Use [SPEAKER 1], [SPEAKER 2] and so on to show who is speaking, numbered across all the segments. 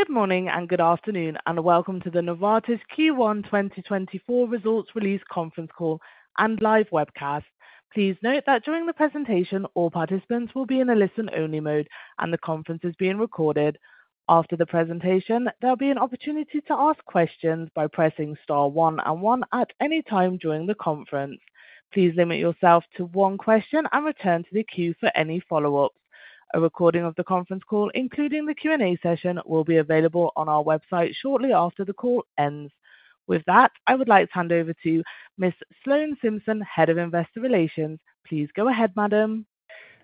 [SPEAKER 1] Good morning and good afternoon, and welcome to the Novartis Q1 2024 Results Release Conference Call and Live Webcast. Please note that during the presentation all participants will be in a listen-only mode, and the conference is being recorded. After the presentation there'll be an opportunity to ask questions by pressing star one and one at any time during the conference. Please limit yourself to one question and return to the queue for any follow-ups. A recording of the conference call, including the Q&A session, will be available on our website shortly after the call ends. With that, I would like to hand over to Miss Sloan Simpson, Head of Investor Relations. Please go ahead, Madam.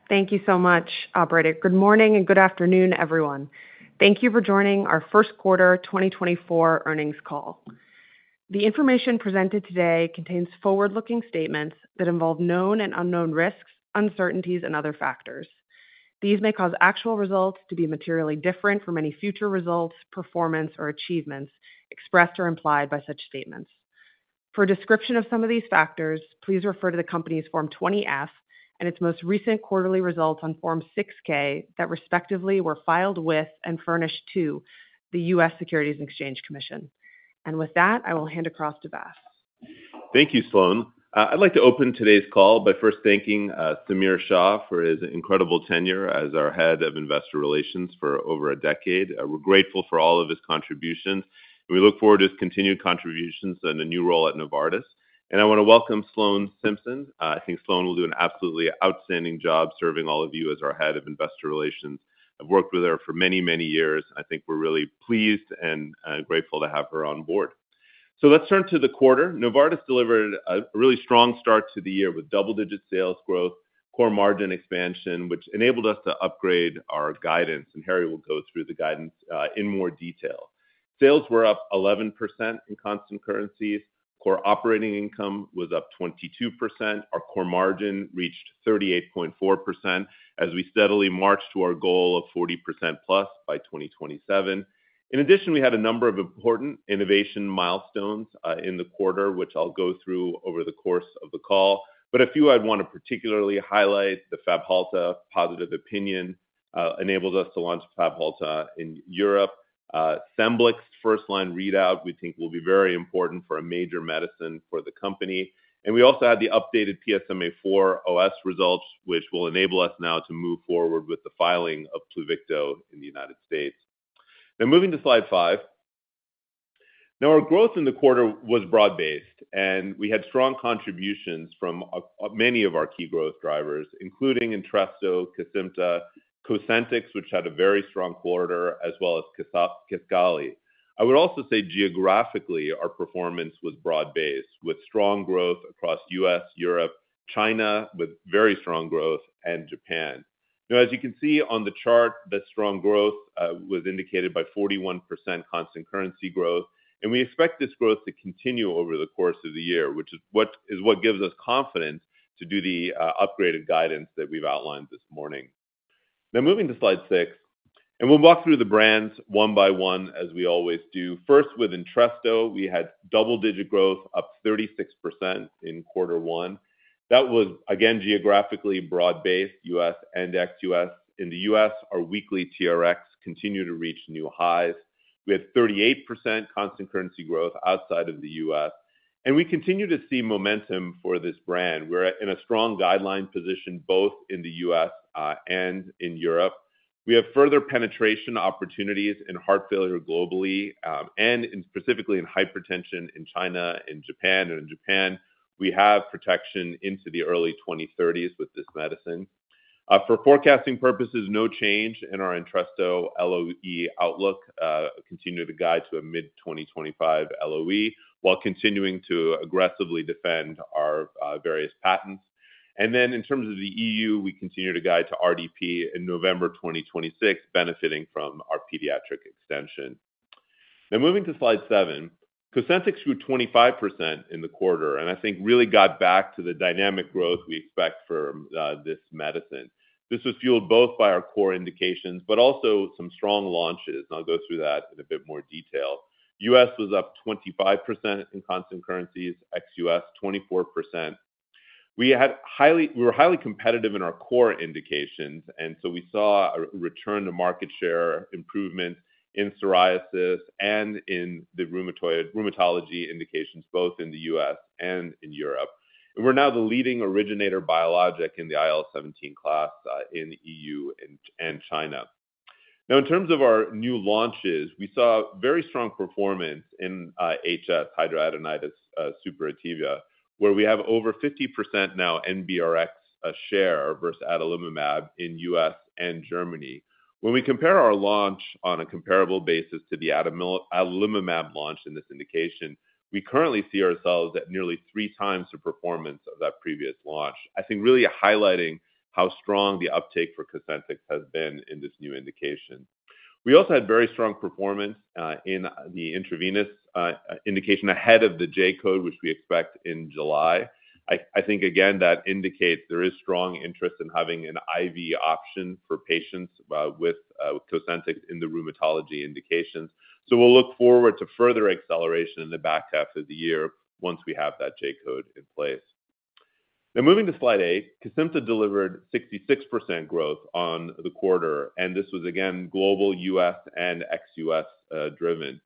[SPEAKER 2] Thank you so much, Operator. Good morning and good afternoon, everyone. Thank you for joining our first quarter 2024 earnings call. The information presented today contains forward-looking statements that involve known and unknown risks, uncertainties, and other factors. These may cause actual results to be materially different from any future results, performance, or achievements expressed or implied by such statements. For a description of some of these factors, please refer to the company's Form 20-F and its most recent quarterly results on Form 6-K that respectively were filed with and furnished to the U.S. Securities and Exchange Commission. With that, I will hand across to Vas.
[SPEAKER 3] Thank you, Sloan. I'd like to open today's call by first thanking Samir Shah for his incredible tenure as our Head of Investor Relations for over a decade. We're grateful for all of his contributions, and we look forward to his continued contributions and a new role at Novartis. I want to welcome Sloan Simpson. I think Sloan will do an absolutely outstanding job serving all of you as our Head of Investor Relations. I've worked with her for many, many years. I think we're really pleased and grateful to have her on board. Let's turn to the quarter. Novartis delivered a really strong start to the year with double-digit sales growth, core margin expansion, which enabled us to upgrade our guidance, and Harry will go through the guidance in more detail. Sales were up 11% in constant currencies. Core operating income was up 22%. Our core margin reached 38.4% as we steadily marched to our goal of 40%+ by 2027. In addition, we had a number of important innovation milestones in the quarter, which I'll go through over the course of the call. But a few I'd want to particularly highlight: the Fabhalta positive opinion enabled us to launch Fabhalta in Europe; Scemblix's first-line readout we think will be very important for a major medicine for the company; and we also had the updated PSMAfore OS results, which will enable us now to move forward with the filing of Pluvicto in the United States. Now moving to Slide 5. Now our growth in the quarter was broad-based, and we had strong contributions from many of our key growth drivers, including Entresto, Kesimpta, Cosentyx, which had a very strong quarter, as well as Kisqali. I would also say geographically our performance was broad-based, with strong growth across U.S., Europe, China with very strong growth, and Japan. Now as you can see on the chart, the strong growth was indicated by 41% constant currency growth, and we expect this growth to continue over the course of the year, which is what gives us confidence to do the upgraded guidance that we've outlined this morning. Now moving to Slide 6, and we'll walk through the brands one by one as we always do. First with Entresto, we had double-digit growth up 36% in quarter one. That was, again, geographically broad-based, U.S. and ex-U.S. In the U.S., our weekly TRx continued to reach new highs. We had 38% constant currency growth outside of the U.S., and we continue to see momentum for this brand. We're in a strong guideline position both in the U.S. and in Europe. We have further penetration opportunities in heart failure globally and specifically in hypertension in China and Japan. In Japan, we have protection into the early 2030s with this medicine. For forecasting purposes, no change in our Entresto LoE outlook, continue to guide to a mid-2025 LoE while continuing to aggressively defend our various patents. In terms of the E.U., we continue to guide to RDP in November 2026, benefiting from our pediatric extension. Now moving to Slide 7, Cosentyx grew 25% in the quarter and I think really got back to the dynamic growth we expect for this medicine. This was fueled both by our core indications but also some strong launches. I'll go through that in a bit more detail. U.S. was up 25% in constant currencies, ex-U.S. 24%. We were highly competitive in our core indications, and so we saw a return to market share improvement in psoriasis and in the rheumatology indications, both in the U.S. and in Europe. We're now the leading originator biologic in the IL-17 class in the EU and China. Now in terms of our new launches, we saw very strong performance in HS, hidradenitis suppurativa, where we have over 50% now NBRX share versus adalimumab in U.S. and Germany. When we compare our launch on a comparable basis to the adalimumab launch in this indication, we currently see ourselves at nearly three times the performance of that previous launch, I think really highlighting how strong the uptake for Cosentyx has been in this new indication. We also had very strong performance in the intravenous indication ahead of the J-code, which we expect in July. I think, again, that indicates there is strong interest in having an IV option for patients with Cosentyx in the rheumatology indications. We'll look forward to further acceleration in the back half of the year once we have that J-code in place. Now moving to Slide 8, Kesimpta delivered 66% growth on the quarter, and this was, again, global, U.S., and ex-U.S. driven.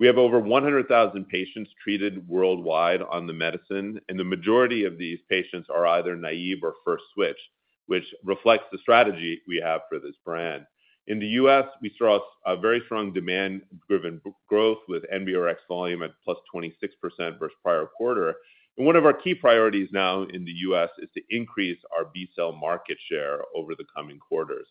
[SPEAKER 3] We have over 100,000 patients treated worldwide on the medicine, and the majority of these patients are either naive or first switch, which reflects the strategy we have for this brand. In the U.S., we saw a very strong demand-driven growth with NBRX volume at +26% versus prior quarter. One of our key priorities now in the U.S. is to increase our B-cell market share over the coming quarters.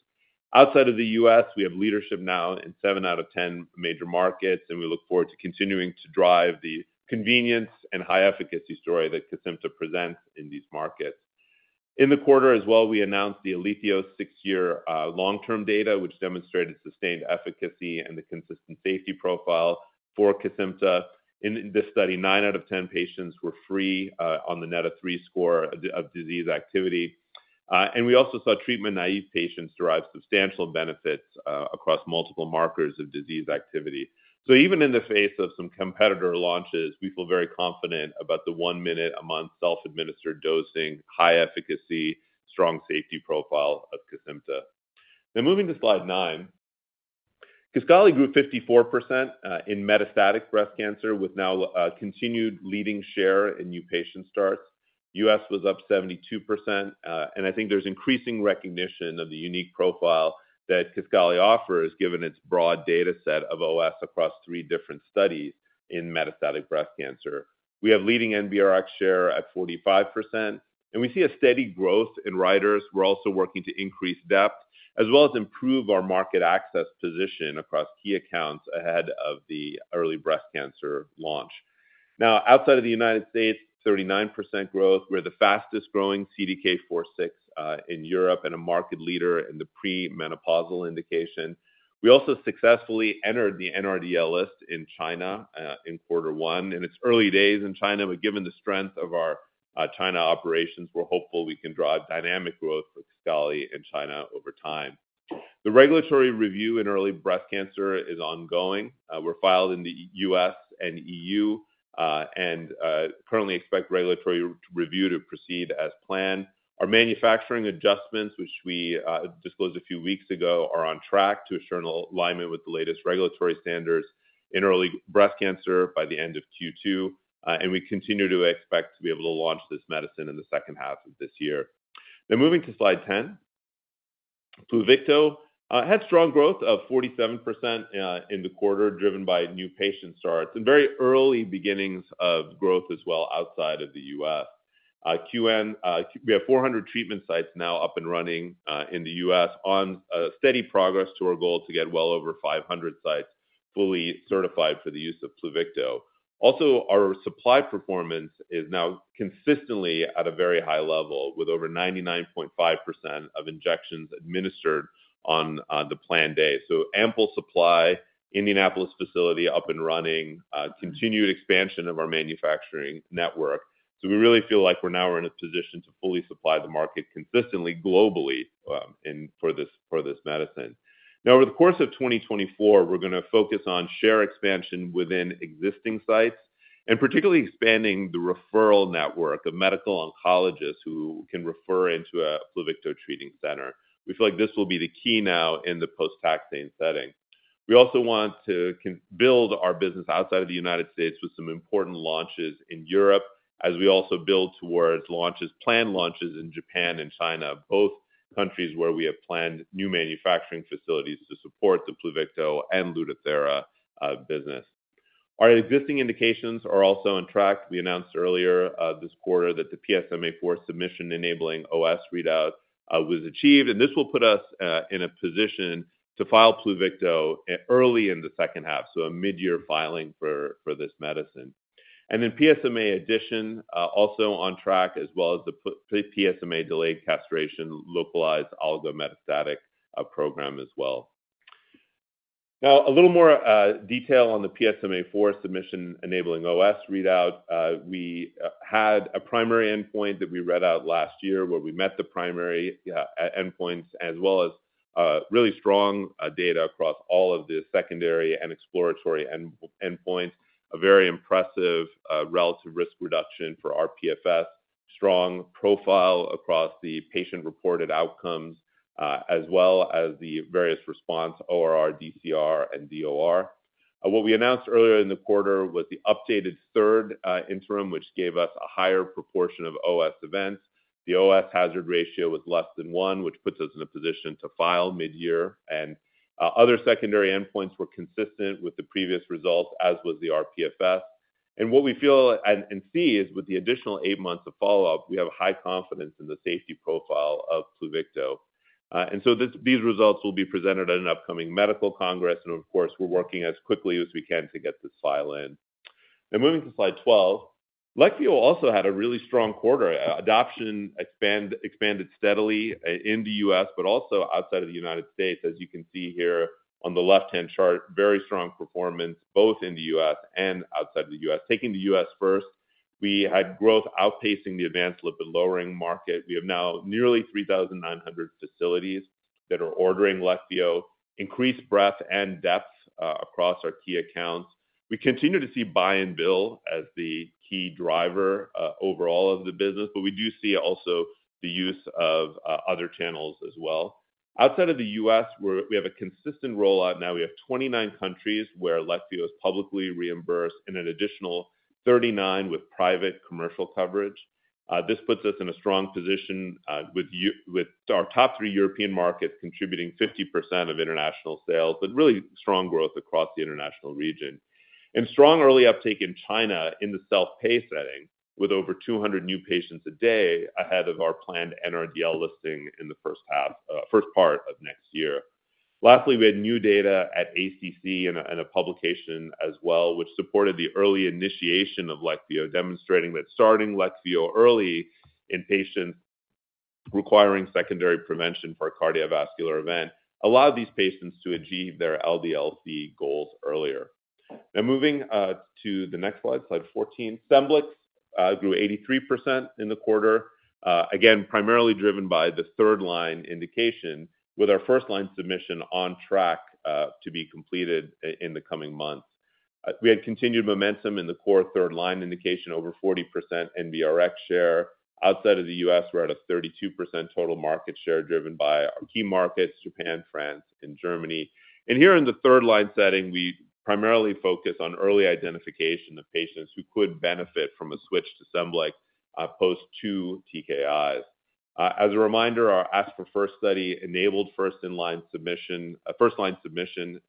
[SPEAKER 3] Outside of the U.S., we have leadership now in 7 out of 10 major markets, and we look forward to continuing to drive the convenience and high-efficacy story that Kesimpta presents in these markets. In the quarter as well, we announced the ALITHIOS six-year long-term data, which demonstrated sustained efficacy and the consistent safety profile for Kesimpta. In this study, 9/10 patients were free on the NEDA-3 score of disease activity. And we also saw treatment-naive patients derive substantial benefits across multiple markers of disease activity. So even in the face of some competitor launches, we feel very confident about the one-minute-a-month self-administered dosing, high-efficacy, strong safety profile of Kesimpta. Now moving to Slide 9, Kisqali grew 54% in metastatic breast cancer with now continued leading share in new patient starts. US was up 72%, and I think there's increasing recognition of the unique profile that Kisqali offers given its broad dataset of OS across three different studies in metastatic breast cancer. We have leading NBRX share at 45%, and we see a steady growth in writers. We're also working to increase depth as well as improve our market access position across key accounts ahead of the early breast cancer launch. Now outside of the United States, 39% growth. We're the fastest-growing CDK4/6 in Europe and a market leader in the premenopausal indication. We also successfully entered the NRDL list in China in quarter one. In its early days in China, but given the strength of our China operations, we're hopeful we can drive dynamic growth for Kisqali in China over time. The regulatory review in early breast cancer is ongoing. We're filed in the U.S. and EU and currently expect regulatory review to proceed as planned. Our manufacturing adjustments, which we disclosed a few weeks ago, are on track to assure alignment with the latest regulatory standards in early breast cancer by the end of Q2, and we continue to expect to be able to launch this medicine in the second half of this year. Now moving to Slide 10, Pluvicto had strong growth of 47% in the quarter driven by new patient starts and very early beginnings of growth as well outside of the U.S. We have 400 treatment sites now up and running in the U.S. on steady progress to our goal to get well over 500 sites fully certified for the use of Pluvicto. Also, our supply performance is now consistently at a very high level with over 99.5% of injections administered on the planned day. Ample supply, Indianapolis facility up and running, continued expansion of our manufacturing network. We really feel like now we're in a position to fully supply the market consistently globally for this medicine. Now over the course of 2024, we're going to focus on share expansion within existing sites and particularly expanding the referral network of medical oncologists who can refer into a Pluvicto treating center. We feel like this will be the key now in the post-taxane setting. We also want to build our business outside of the United States with some important launches in Europe as we also build towards planned launches in Japan and China, both countries where we have planned new manufacturing facilities to support the Pluvicto and Lutathera business. Our existing indications are also on track. We announced earlier this quarter that the PSMAfore submission enabling OS readout was achieved, and this will put us in a position to file Pluvicto early in the second half, so a mid-year filing for this medicine. And then PSMAddition also on track as well as the PSMA delayed castration localized oligometastatic program as well. Now a little more detail on the PSMAfore submission enabling OS readout. We had a primary endpoint that we read out last year where we met the primary endpoints as well as really strong data across all of the secondary and exploratory endpoints, a very impressive relative risk reduction for rPFS, strong profile across the patient-reported outcomes as well as the various response ORR, DCR, and DOR. What we announced earlier in the quarter was the updated third interim, which gave us a higher proportion of OS events. The OS hazard ratio was less than one, which puts us in a position to file mid-year. Other secondary endpoints were consistent with the previous results, as was the rPFS. What we feel and see is with the additional eight months of follow-up, we have high confidence in the safety profile of Pluvicto. These results will be presented at an upcoming medical congress. Of course, we're working as quickly as we can to get this file in. Now moving to Slide 12, Leqvio also had a really strong quarter. Adoption expanded steadily in the U.S., but also outside of the United States. As you can see here on the left-hand chart, very strong performance both in the U.S. and outside of the U.S. Taking the U.S. first, we had growth outpacing the advanced lipid-lowering market. We have now nearly 3,900 facilities that are ordering Leqvio, increased breadth and depth across our key accounts. We continue to see buy and bill as the key driver overall of the business, but we do see also the use of other channels as well. Outside of the U.S., we have a consistent rollout. Now we have 29 countries where Leqvio is publicly reimbursed and an additional 39 with private commercial coverage. This puts us in a strong position with our top three European markets contributing 50% of international sales, but really strong growth across the international region. Strong early uptake in China in the self-pay setting with over 200 new patients a day ahead of our planned NRDL listing in the first part of next year. Lastly, we had new data at ACC and a publication as well, which supported the early initiation of Leqvio, demonstrating that starting Leqvio early in patients requiring secondary prevention for a cardiovascular event allowed these patients to achieve their LDLC goals earlier. Now moving to the next slide, Slide 14, Scemblix grew 83% in the quarter, again, primarily driven by the third-line indication with our first-line submission on track to be completed in the coming months. We had continued momentum in the core third-line indication, over 40% NBRX share. Outside of the U.S., we're at a 32% total market share driven by our key markets, Japan, France, and Germany. And here in the third-line setting, we primarily focus on early identification of patients who could benefit from a switch to Scemblix post two TKIs. As a reminder, our ASC4FIRST study enabled first-line submission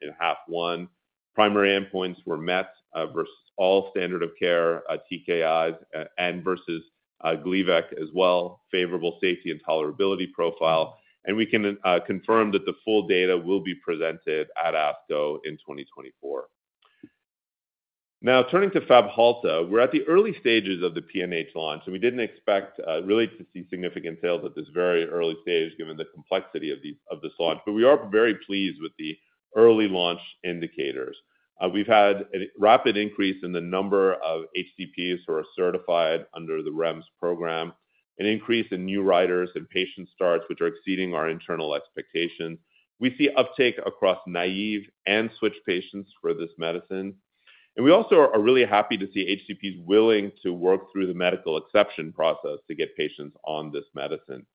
[SPEAKER 3] in half one. Primary endpoints were met versus all standard of care TKIs and versus Gleevec as well, favorable safety and tolerability profile. And we can confirm that the full data will be presented at ASCO in 2024. Now turning to Fabhalta, we're at the early stages of the PNH launch, and we didn't expect really to see significant sales at this very early stage given the complexity of this launch. But we are very pleased with the early launch indicators. We've had a rapid increase in the number of HCPs who are certified under the REMS program, an increase in new writers and patient starts, which are exceeding our internal expectations. We see uptake across naive and switch patients for this medicine. And we also are really happy to see HCPs willing to work through the medical exception process to get patients on this medicine.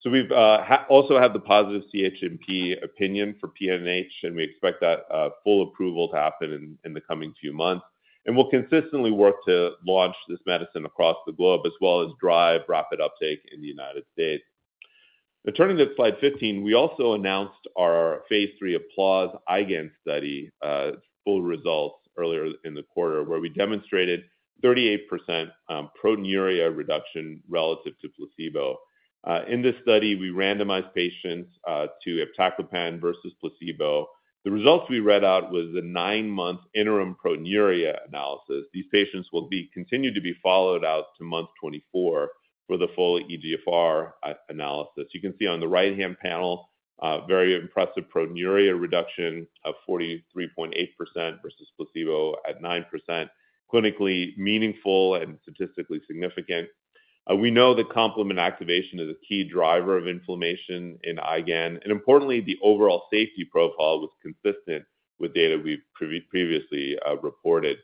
[SPEAKER 3] So we've also had the positive CHMP opinion for PNH, and we expect that full approval to happen in the coming few months. And we'll consistently work to launch this medicine across the globe as well as drive rapid uptake in the United States. Now turning to Slide 15, we also announced our phase III APPLAUSE-IgAN study, full results earlier in the quarter, where we demonstrated 38% proteinuria reduction relative to placebo. In this study, we randomized patients to iptacopan versus placebo. The results we read out was a 9-month interim proteinuria analysis. These patients will continue to be followed out to month 24 for the full eGFR analysis. You can see on the right-hand panel, very impressive proteinuria reduction of 43.8% versus placebo at 9%, clinically meaningful and statistically significant. We know that complement activation is a key driver of inflammation in IgAN. Importantly, the overall safety profile was consistent with data we've previously reported.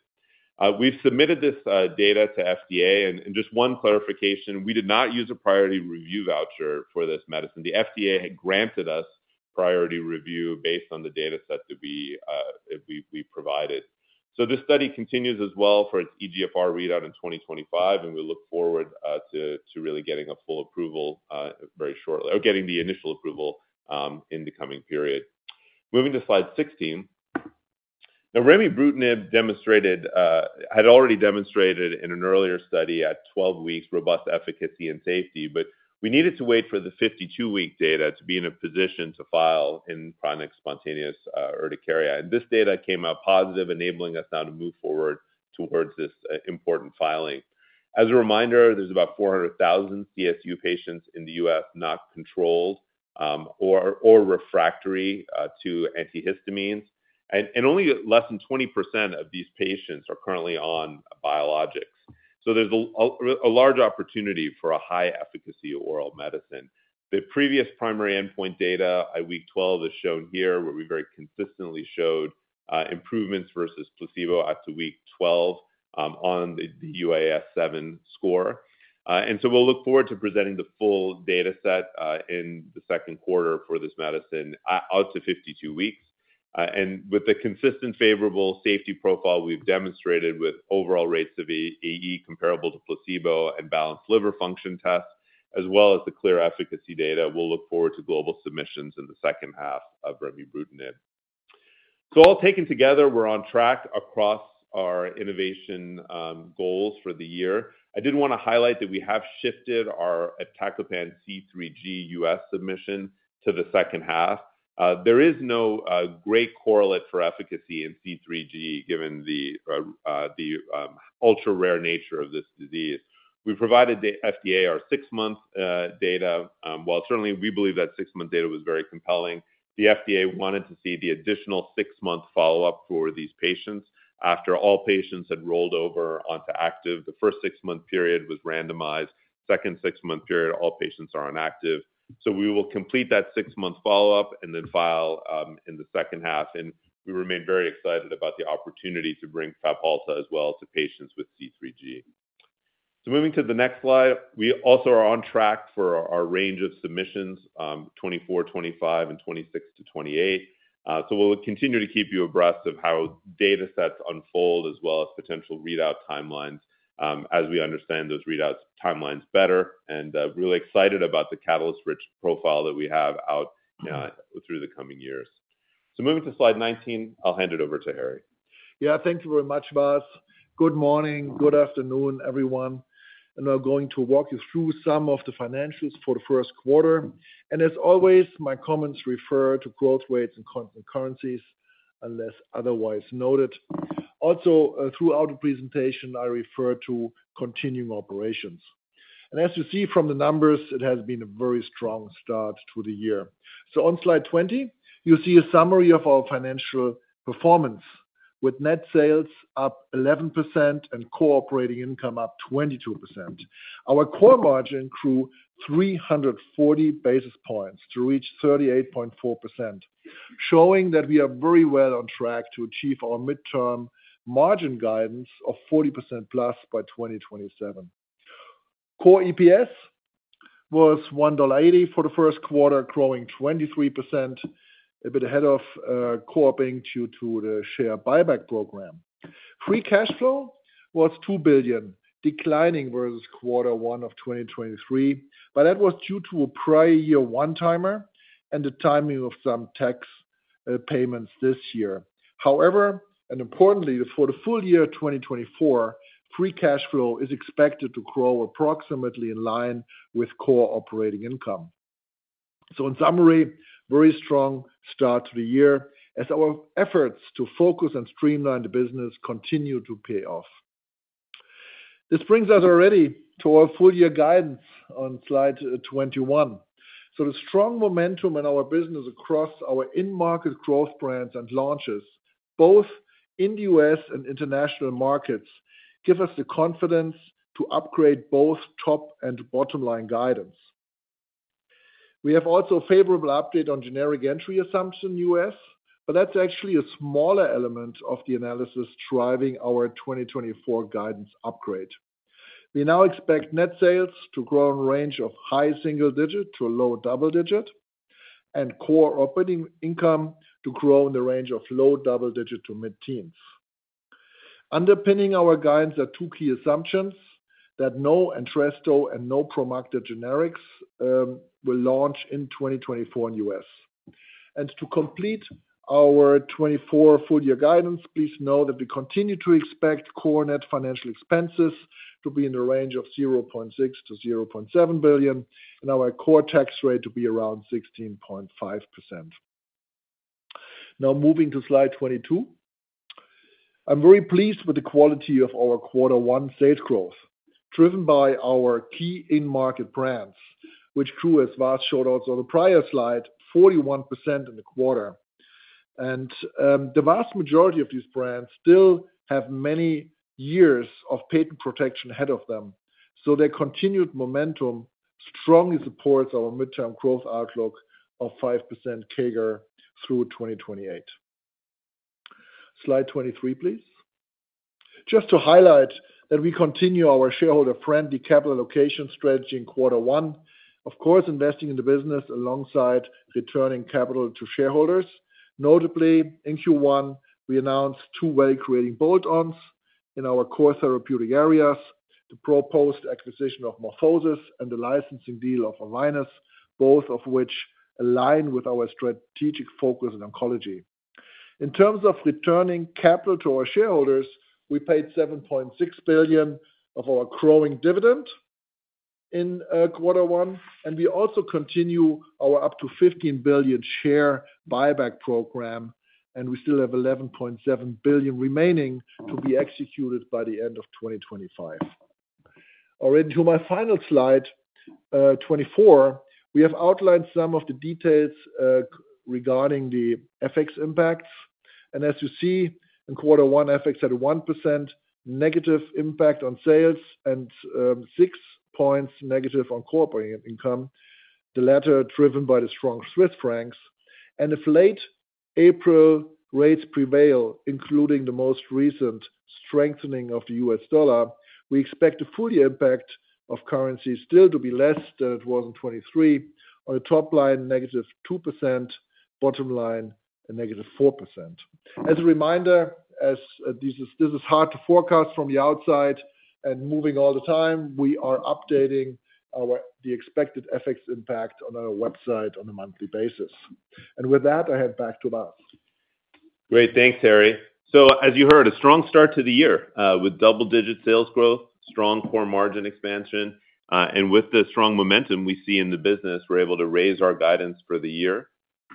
[SPEAKER 3] We've submitted this data to FDA. And just one clarification, we did not use a priority review voucher for this medicine. The FDA had granted us priority review based on the dataset that we provided. So this study continues as well for its eGFR readout in 2025, and we look forward to really getting a full approval very shortly or getting the initial approval in the coming period. Moving to Slide 16, now remibrutinib had already demonstrated in an earlier study at 12 weeks robust efficacy and safety, but we needed to wait for the 52-week data to be in a position to file in chronic spontaneous urticaria. And this data came out positive, enabling us now to move forward towards this important filing. As a reminder, there's about 400,000 CSU patients in the U.S. not controlled or refractory to antihistamines. Only less than 20% of these patients are currently on biologics. There's a large opportunity for a high-efficacy oral medicine. The previous primary endpoint data at week 12 is shown here, where we very consistently showed improvements versus placebo at week 12 on the UAS-7 score. We'll look forward to presenting the full dataset in the second quarter for this medicine out to 52 weeks. With the consistent favorable safety profile we've demonstrated with overall rates of AE comparable to placebo and balanced liver function tests, as well as the clear efficacy data, we'll look forward to global submissions in the second half of remibrutinib. All taken together, we're on track across our innovation goals for the year. I did want to highlight that we have shifted our iptacopan C3G U.S. submission to the second half. There is no great correlate for efficacy in C3G given the ultra-rare nature of this disease. We provided the FDA our six-month data. Well, certainly, we believe that six-month data was very compelling. The FDA wanted to see the additional six-month follow-up for these patients. After all patients had rolled over onto active, the first six-month period was randomized. Second six-month period, all patients are on active. So we will complete that six-month follow-up and then file in the second half. And we remain very excited about the opportunity to bring Fabhalta as well to patients with C3G. So moving to the next slide, we also are on track for our range of submissions, 2024, 2025, and 2026 to 2028. So we'll continue to keep you abreast of how datasets unfold as well as potential readout timelines as we understand those readout timelines better. And really excited about the catalyst-rich profile that we have out through the coming years. So moving to Slide 19, I'll hand it over to Harry.
[SPEAKER 4] Yeah, thank you very much, Vas. Good morning, good afternoon, everyone. Now going to walk you through some of the financials for the first quarter. As always, my comments refer to growth rates and constant currencies unless otherwise noted. Also, throughout the presentation, I refer to continuing operations. As you see from the numbers, it has been a very strong start to the year. So on Slide 20, you'll see a summary of our financial performance with net sales up 11% and core operating income up 22%. Our core margin grew 340 basis points to reach 38.4%, showing that we are very well on track to achieve our mid-term margin guidance of 40%+ by 2027. Core EPS was $1.80 for the first quarter, growing 23%, a bit ahead of core operating due to the share buyback program. Free cash flow was $2 billion, declining versus quarter one of 2023. But that was due to a prior year one-timer and the timing of some tax payments this year. However, and importantly, for the full year 2024, free cash flow is expected to grow approximately in line with core operating income. So in summary, very strong start to the year as our efforts to focus and streamline the business continue to pay off. This brings us already to our full-year guidance on Slide 21. So the strong momentum in our business across our in-market growth brands and launches, both in the U.S. and international markets, gives us the confidence to upgrade both top and bottom-line guidance. We have also a favorable update on generic entry assumption U.S., but that's actually a smaller element of the analysis driving our 2024 guidance upgrade. We now expect net sales to grow in a range of high single digit to a low double digit, and core operating income to grow in the range of low double digit to mid-teens. Underpinning our guidance are two key assumptions: that no Entresto and no Promacta generics will launch in 2024 in the U.S. To complete our 2024 full-year guidance, please know that we continue to expect core net financial expenses to be in the range of $0.6 billion-$0.7 billion and our core tax rate to be around 16.5%. Now moving to Slide 22, I'm very pleased with the quality of our quarter one sales growth driven by our key in-market brands, which grew, as Vas showed also on the prior slide, 41% in the quarter. The vast majority of these brands still have many years of patent protection ahead of them. So their continued momentum strongly supports our midterm growth outlook of 5% CAGR through 2028. Slide 23, please. Just to highlight that we continue our shareholder-friendly capital allocation strategy in quarter one, of course, investing in the business alongside returning capital to shareholders. Notably, in Q1, we announced two value-creating bolt-ons in our core therapeutic areas, the proposed acquisition of MorphoSys and the licensing deal with Arvinas, both of which align with our strategic focus in oncology. In terms of returning capital to our shareholders, we paid $7.6 billion of our growing dividend in quarter one. And we also continue our up to $15 billion share buyback program. And we still have $11.7 billion remaining to be executed by the end of 2025. And now to my final Slide, 24, we have outlined some of the details regarding the FX impacts. As you see, in quarter one, FX had a 1% negative impact on sales and 6 points negative on core operating income, the latter driven by the strong Swiss francs. If late April rates prevail, including the most recent strengthening of the U.S. dollar, we expect the full-year impact of currencies still to be less than it was in 2023 on a top line negative 2%, bottom line negative 4%. As a reminder, this is hard to forecast from the outside and moving all the time. We are updating the expected FX impact on our website on a monthly basis. With that, I hand back to Vas.
[SPEAKER 3] Great. Thanks, Harry. So as you heard, a strong start to the year with double-digit sales growth, strong core margin expansion. And with the strong momentum we see in the business, we're able to raise our guidance for the year.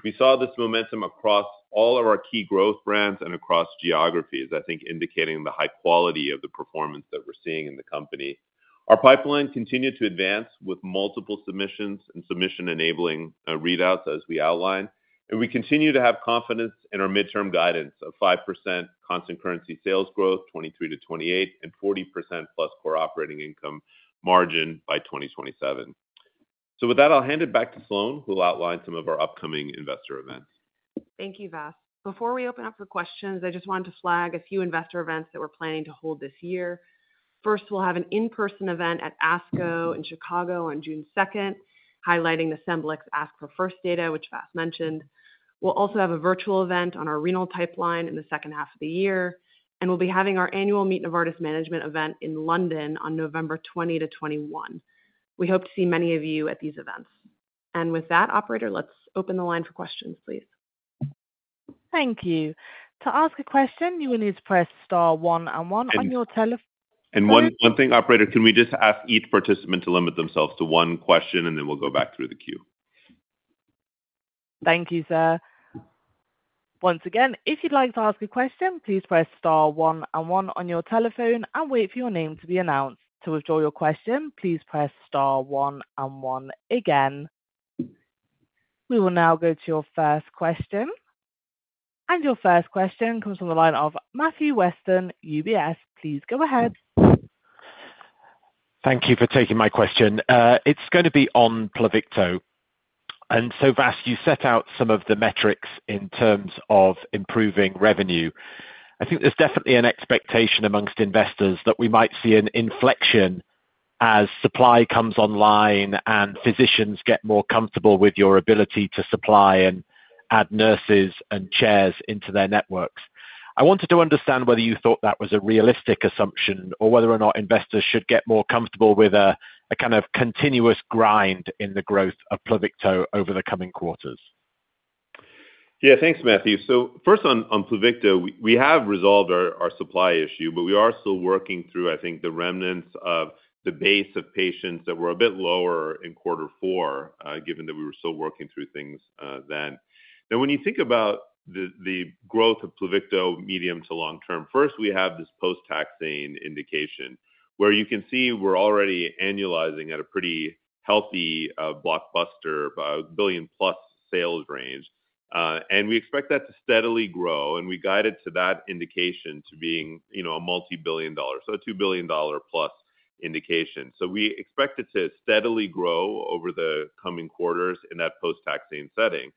[SPEAKER 3] We saw this momentum across all of our key growth brands and across geographies, I think indicating the high quality of the performance that we're seeing in the company. Our pipeline continued to advance with multiple submissions and submission-enabling readouts as we outlined. And we continue to have confidence in our midterm guidance of 5% constant currency sales growth 2023 to 2028 and 40%+ core operating income margin by 2027. So with that, I'll hand it back to Sloan, who'll outline some of our upcoming investor events.
[SPEAKER 2] Thank you, Vas. Before we open up for questions, I just wanted to flag a few investor events that we're planning to hold this year. First, we'll have an in-person event at ASCO in Chicago on June 2nd, highlighting the Scemblix ASC4FIRST data, which Vas mentioned. We'll also have a virtual event on our renal pipeline in the second half of the year. And we'll be having our annual Meet Novartis Management event in London on November 20-21. We hope to see many of you at these events. And with that, operator, let's open the line for questions, please.
[SPEAKER 1] Thank you. To ask a question, you will need to press star one and one on your telephone.
[SPEAKER 3] One thing, operator, can we just ask each participant to limit themselves to one question, and then we'll go back through the queue?
[SPEAKER 1] Thank you, sir. Once again, if you'd like to ask a question, please press star one and one on your telephone and wait for your name to be announced. To withdraw your question, please press star one and one again. We will now go to your first question. Your first question comes from the line of Matthew Weston, UBS. Please go ahead.
[SPEAKER 5] Thank you for taking my question. It's going to be on Pluvicto. And so, Vas, you set out some of the metrics in terms of improving revenue. I think there's definitely an expectation among investors that we might see an inflection as supply comes online and physicians get more comfortable with your ability to supply and add nurses and chairs into their networks. I wanted to understand whether you thought that was a realistic assumption or whether or not investors should get more comfortable with a kind of continuous grind in the growth of Pluvicto over the coming quarters.
[SPEAKER 3] Yeah, thanks, Matthew. So first, on Pluvicto, we have resolved our supply issue, but we are still working through, I think, the remnants of the base of patients that were a bit lower in quarter four, given that we were still working through things then. Now, when you think about the growth of Pluvicto medium to long term, first, we have this post-taxane indication where you can see we're already annualizing at a pretty healthy blockbuster billion-plus sales range. And we expect that to steadily grow. And we guided to that indication to being a multi-billion-dollar, so a $2 billion+ indication. So we expect it to steadily grow over the coming quarters in that post-taxane setting.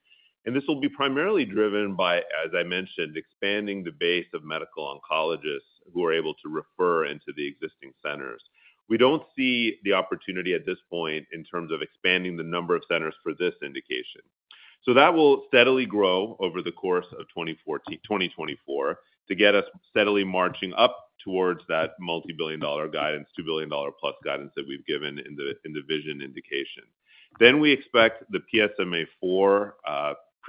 [SPEAKER 3] And this will be primarily driven by, as I mentioned, expanding the base of medical oncologists who are able to refer into the existing centers. We don't see the opportunity at this point in terms of expanding the number of centers for this indication. So that will steadily grow over the course of 2024 to get us steadily marching up towards that multi-billion dollar guidance, $2 billion+ guidance that we've given in the Pluvicto indication. Then we expect the PSMAfore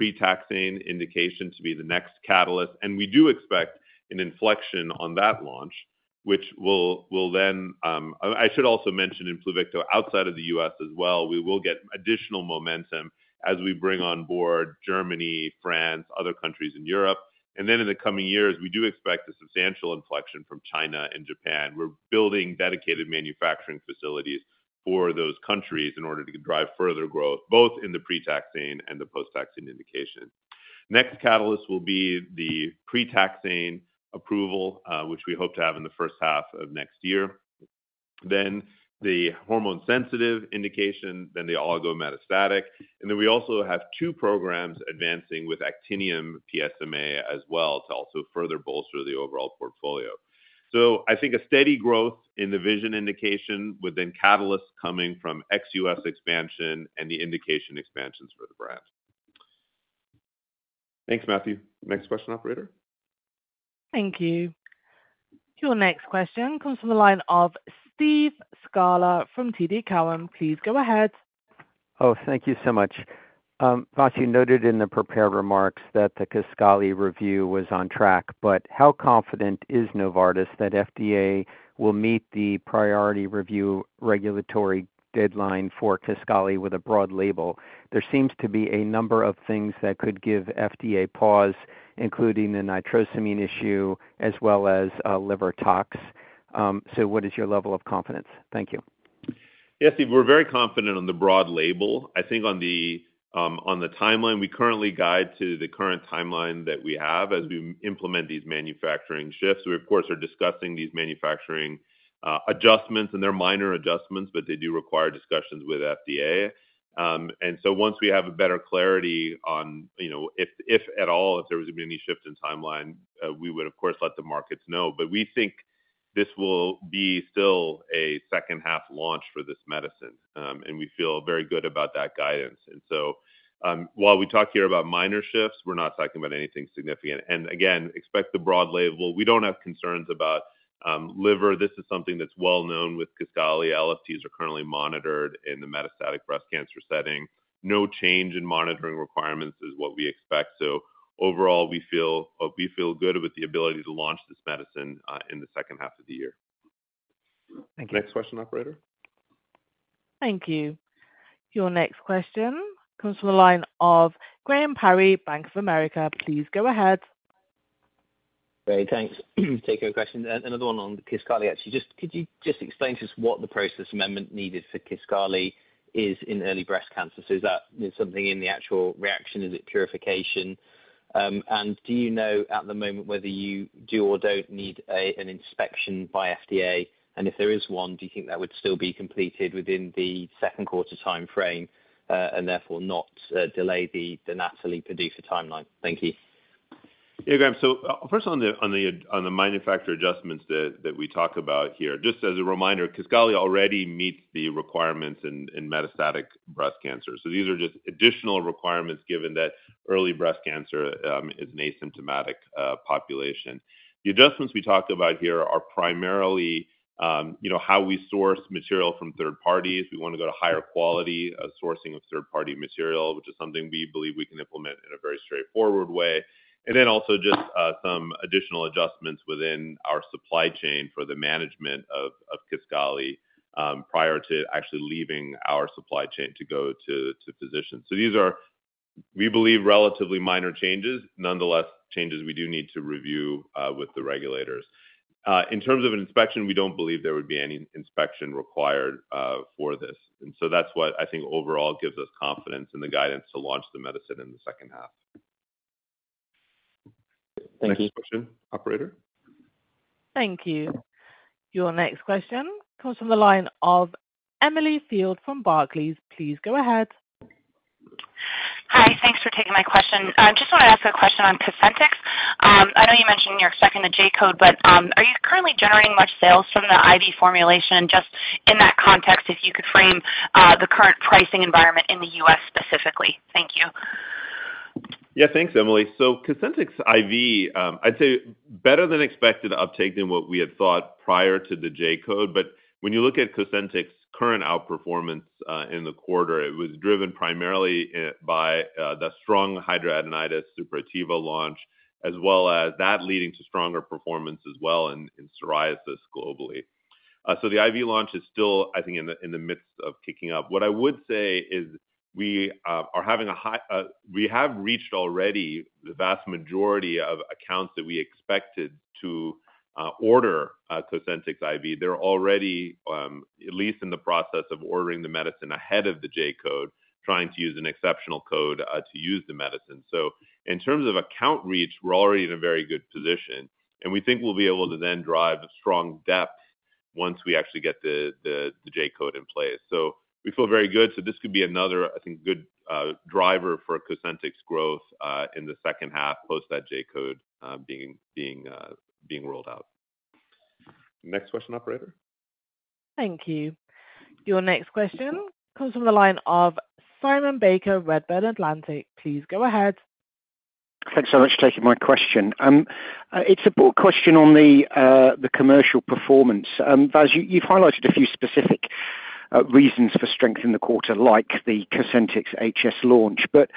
[SPEAKER 3] pre-taxane indication to be the next catalyst. And we do expect an inflection on that launch, which will then I should also mention in Pluvicto outside of the U.S. as well, we will get additional momentum as we bring on board Germany, France, other countries in Europe. And then in the coming years, we do expect a substantial inflection from China and Japan. We're building dedicated manufacturing facilities for those countries in order to drive further growth, both in the pre-taxane and the post-taxane indication. Next catalyst will be the pre-taxane approval, which we hope to have in the first half of next year. Then the hormone-sensitive indication, then the oligometastatic. And then we also have two programs advancing with Actinium PSMA as well to also further bolster the overall portfolio. So I think a steady growth in the VISION indication with then catalysts coming from ex-U.S. expansion and the indication expansions for the brand. Thanks, Matthew. Next question, operator.
[SPEAKER 1] Thank you. Your next question comes from the line of Steve Scala from TD Cowen. Please go ahead.
[SPEAKER 6] Oh, thank you so much. Vas, you noted in the prepared remarks that the Kisqali review was on track. But how confident is Novartis that FDA will meet the priority review regulatory deadline for Kisqali with a broad label? There seems to be a number of things that could give FDA pause, including the nitrosamine issue as well as liver tox. So what is your level of confidence? Thank you.
[SPEAKER 3] Yeah, Steve, we're very confident on the broad label. I think on the timeline, we currently guide to the current timeline that we have as we implement these manufacturing shifts. We, of course, are discussing these manufacturing adjustments, and they're minor adjustments, but they do require discussions with FDA. And so once we have a better clarity on, if at all, if there was any shift in timeline, we would, of course, let the markets know. But we think this will be still a second-half launch for this medicine. And we feel very good about that guidance. And so while we talk here about minor shifts, we're not talking about anything significant. And again, expect the broad label. We don't have concerns about liver. This is something that's well known with Kisqali. LFTs are currently monitored in the metastatic breast cancer setting. No change in monitoring requirements is what we expect. Overall, we feel good with the ability to launch this medicine in the second half of the year.
[SPEAKER 6] Thank you.
[SPEAKER 3] Next question, operator.
[SPEAKER 1] Thank you. Your next question comes from the line of Graham Parry, Bank of America. Please go ahead.
[SPEAKER 7] Great. Thanks. Take your question. Another one on Kisqali, actually. Could you just explain to us what the process amendment needed for Kisqali is in early breast cancer? So is that something in the actual reaction? Is it purification? And do you know at the moment whether you do or don't need an inspection by FDA? And if there is one, do you think that would still be completed within the second quarter timeframe and therefore not delay the NATALEE PDUFA timeline? Thank you.
[SPEAKER 3] Yeah, Graham. So first, on the manufacturer adjustments that we talk about here, just as a reminder, Kisqali already meets the requirements in metastatic breast cancer. So these are just additional requirements given that early breast cancer is an asymptomatic population. The adjustments we talk about here are primarily how we source material from third parties. We want to go to higher quality sourcing of third-party material, which is something we believe we can implement in a very straightforward way. And then also just some additional adjustments within our supply chain for the management of Kisqali prior to actually leaving our supply chain to go to physicians. So these are, we believe, relatively minor changes. Nonetheless, changes we do need to review with the regulators. In terms of an inspection, we don't believe there would be any inspection required for this. And so that's what I think overall gives us confidence in the guidance to launch the medicine in the second half.
[SPEAKER 7] Thank you.
[SPEAKER 3] Next question, operator.
[SPEAKER 1] Thank you. Your next question comes from the line of Emily Field from Barclays. Please go ahead.
[SPEAKER 8] Hi. Thanks for taking my question. I just want to ask a question on Cosentyx. I know you mentioned you're expecting the J-code, but are you currently generating much sales from the IV formulation? And just in that context, if you could frame the current pricing environment in the U.S. specifically. Thank you.
[SPEAKER 3] Yeah, thanks, Emily. So Cosentyx IV, I'd say better than expected uptake than what we had thought prior to the J-code. But when you look at Cosentyx's current outperformance in the quarter, it was driven primarily by the strong hidradenitis suppurativa launch, as well as that leading to stronger performance as well in psoriasis globally. So the IV launch is still, I think, in the midst of kicking up. What I would say is we have reached already the vast majority of accounts that we expected to order Cosentyx IV. They're already, at least in the process of ordering the medicine ahead of the J-code, trying to use an exceptional code to use the medicine. So in terms of account reach, we're already in a very good position. We think we'll be able to then drive strong depth once we actually get the J-code in place. So we feel very good. So this could be another, I think, good driver for Cosentyx growth in the second half post that J-code being rolled out. Next question, operator.
[SPEAKER 1] Thank you. Your next question comes from the line of Simon Baker, Redburn Atlantic. Please go ahead.
[SPEAKER 9] Thanks so much for taking my question. It's a broad question on the commercial performance. Vas, you've highlighted a few specific reasons for strength in the quarter, like the Cosentyx HS launch. But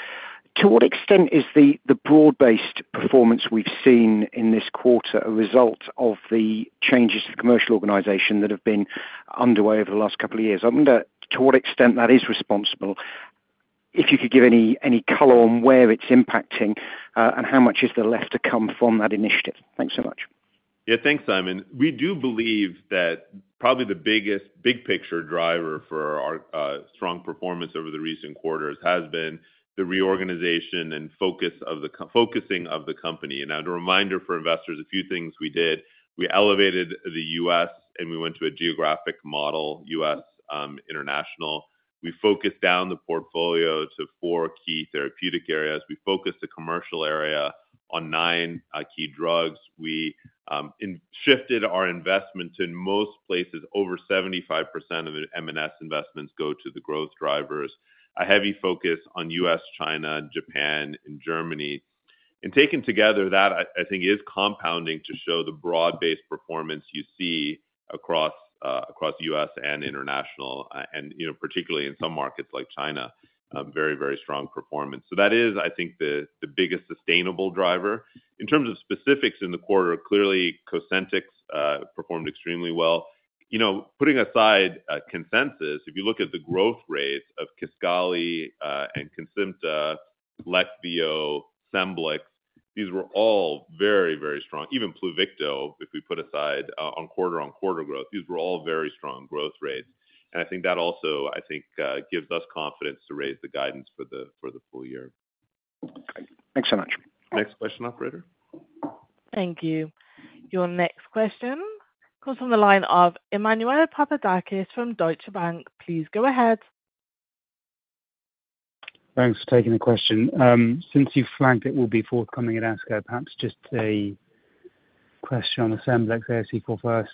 [SPEAKER 9] to what extent is the broad-based performance we've seen in this quarter a result of the changes to the commercial organization that have been underway over the last couple of years? I wonder to what extent that is responsible, if you could give any color on where it's impacting and how much is there left to come from that initiative. Thanks so much.
[SPEAKER 3] Yeah, thanks, Simon. We do believe that probably the biggest big-picture driver for our strong performance over the recent quarters has been the reorganization and focusing of the company. As a reminder for investors, a few things we did. We elevated the U.S., and we went to a geographic model, U.S. international. We focused down the portfolio to four key therapeutic areas. We focused the commercial area on nine key drugs. We shifted our investment to most places. Over 75% of M&S investments go to the growth drivers. A heavy focus on U.S., China, Japan, and Germany. And taken together, that, I think, is compounding to show the broad-based performance you see across U.S. and international, and particularly in some markets like China, very, very strong performance. So that is, I think, the biggest sustainable driver. In terms of specifics in the quarter, clearly, Cosentyx performed extremely well. Putting aside consensus, if you look at the growth rates of Kisqali and Cosentyx, Leqvio, Scemblix, these were all very, very strong. Even Pluvicto, if we put aside on quarter-over-quarter growth, these were all very strong growth rates. And I think that also, I think, gives us confidence to raise the guidance for the full year.
[SPEAKER 9] Okay. Thanks so much.
[SPEAKER 3] Next question, operator.
[SPEAKER 1] Thank you. Your next question comes from the line of Emmanuel Papadakis from Deutsche Bank. Please go ahead.
[SPEAKER 10] Thanks for taking the question. Since you flagged, it will be forthcoming at ASCO. Perhaps just a question on the Scemblix ASC4FIRST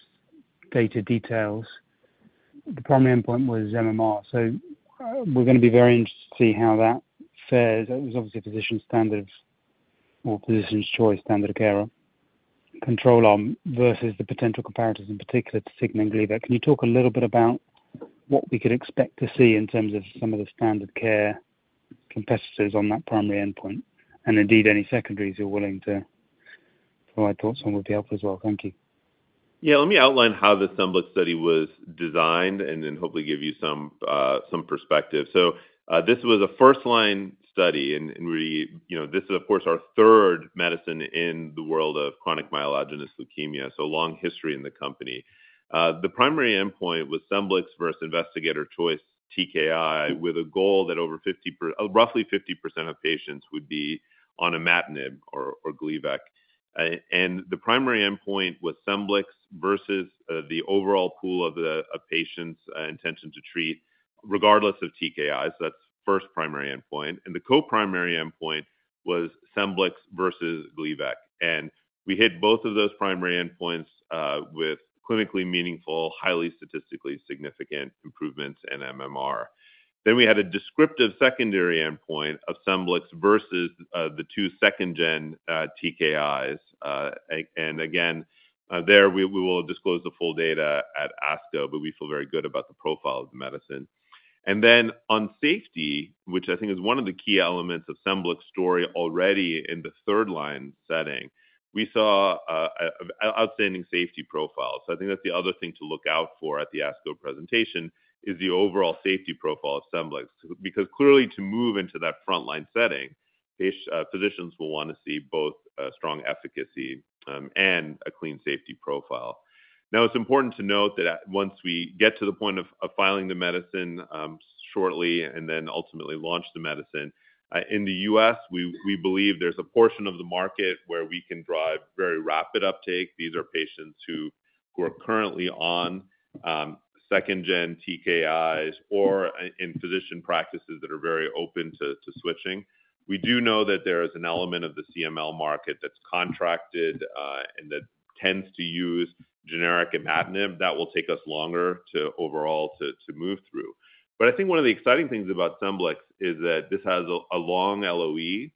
[SPEAKER 10] data details. The primary endpoint was MMR. So we're going to be very interested to see how that fares. It was obviously a physician standard of or physician's choice standard of care control arm versus the potential comparatives in particular to Tasigna and Gleevec. Can you talk a little bit about what we could expect to see in terms of some of the standard care competitors on that primary endpoint? And indeed, any secondaries you're willing to provide thoughts on would be helpful as well. Thank you.
[SPEAKER 3] Yeah, let me outline how the Scemblix study was designed and then hopefully give you some perspective. So this was a first-line study. This is, of course, our third medicine in the world of chronic myelogenous leukemia, so long history in the company. The primary endpoint was Scemblix versus investigator choice TKI with a goal that over 50, roughly 50% of patients would be on an imatinib or Gleevec. The primary endpoint was Scemblix versus the overall pool of patients' intention to treat regardless of TKI. So that's first primary endpoint. The co-primary endpoint was Scemblix versus Gleevec. We hit both of those primary endpoints with clinically meaningful, highly statistically significant improvements in MMR. Then we had a descriptive secondary endpoint of Scemblix versus the two second-gen TKIs. Again, there, we will disclose the full data at ASCO, but we feel very good about the profile of the medicine. Then on safety, which I think is one of the key elements of Scemblix's story already in the third-line setting, we saw outstanding safety profiles. So I think that's the other thing to look out for at the ASCO presentation is the overall safety profile of Scemblix. Because clearly, to move into that frontline setting, physicians will want to see both strong efficacy and a clean safety profile. Now, it's important to note that once we get to the point of filing the medicine shortly and then ultimately launch the medicine, in the U.S., we believe there's a portion of the market where we can drive very rapid uptake. These are patients who are currently on second-gen TKIs or in physician practices that are very open to switching. We do know that there is an element of the CML market that's contracted and that tends to use generic imatinib. That will take us longer overall to move through. But I think one of the exciting things about Scemblix is that this has a long LoE.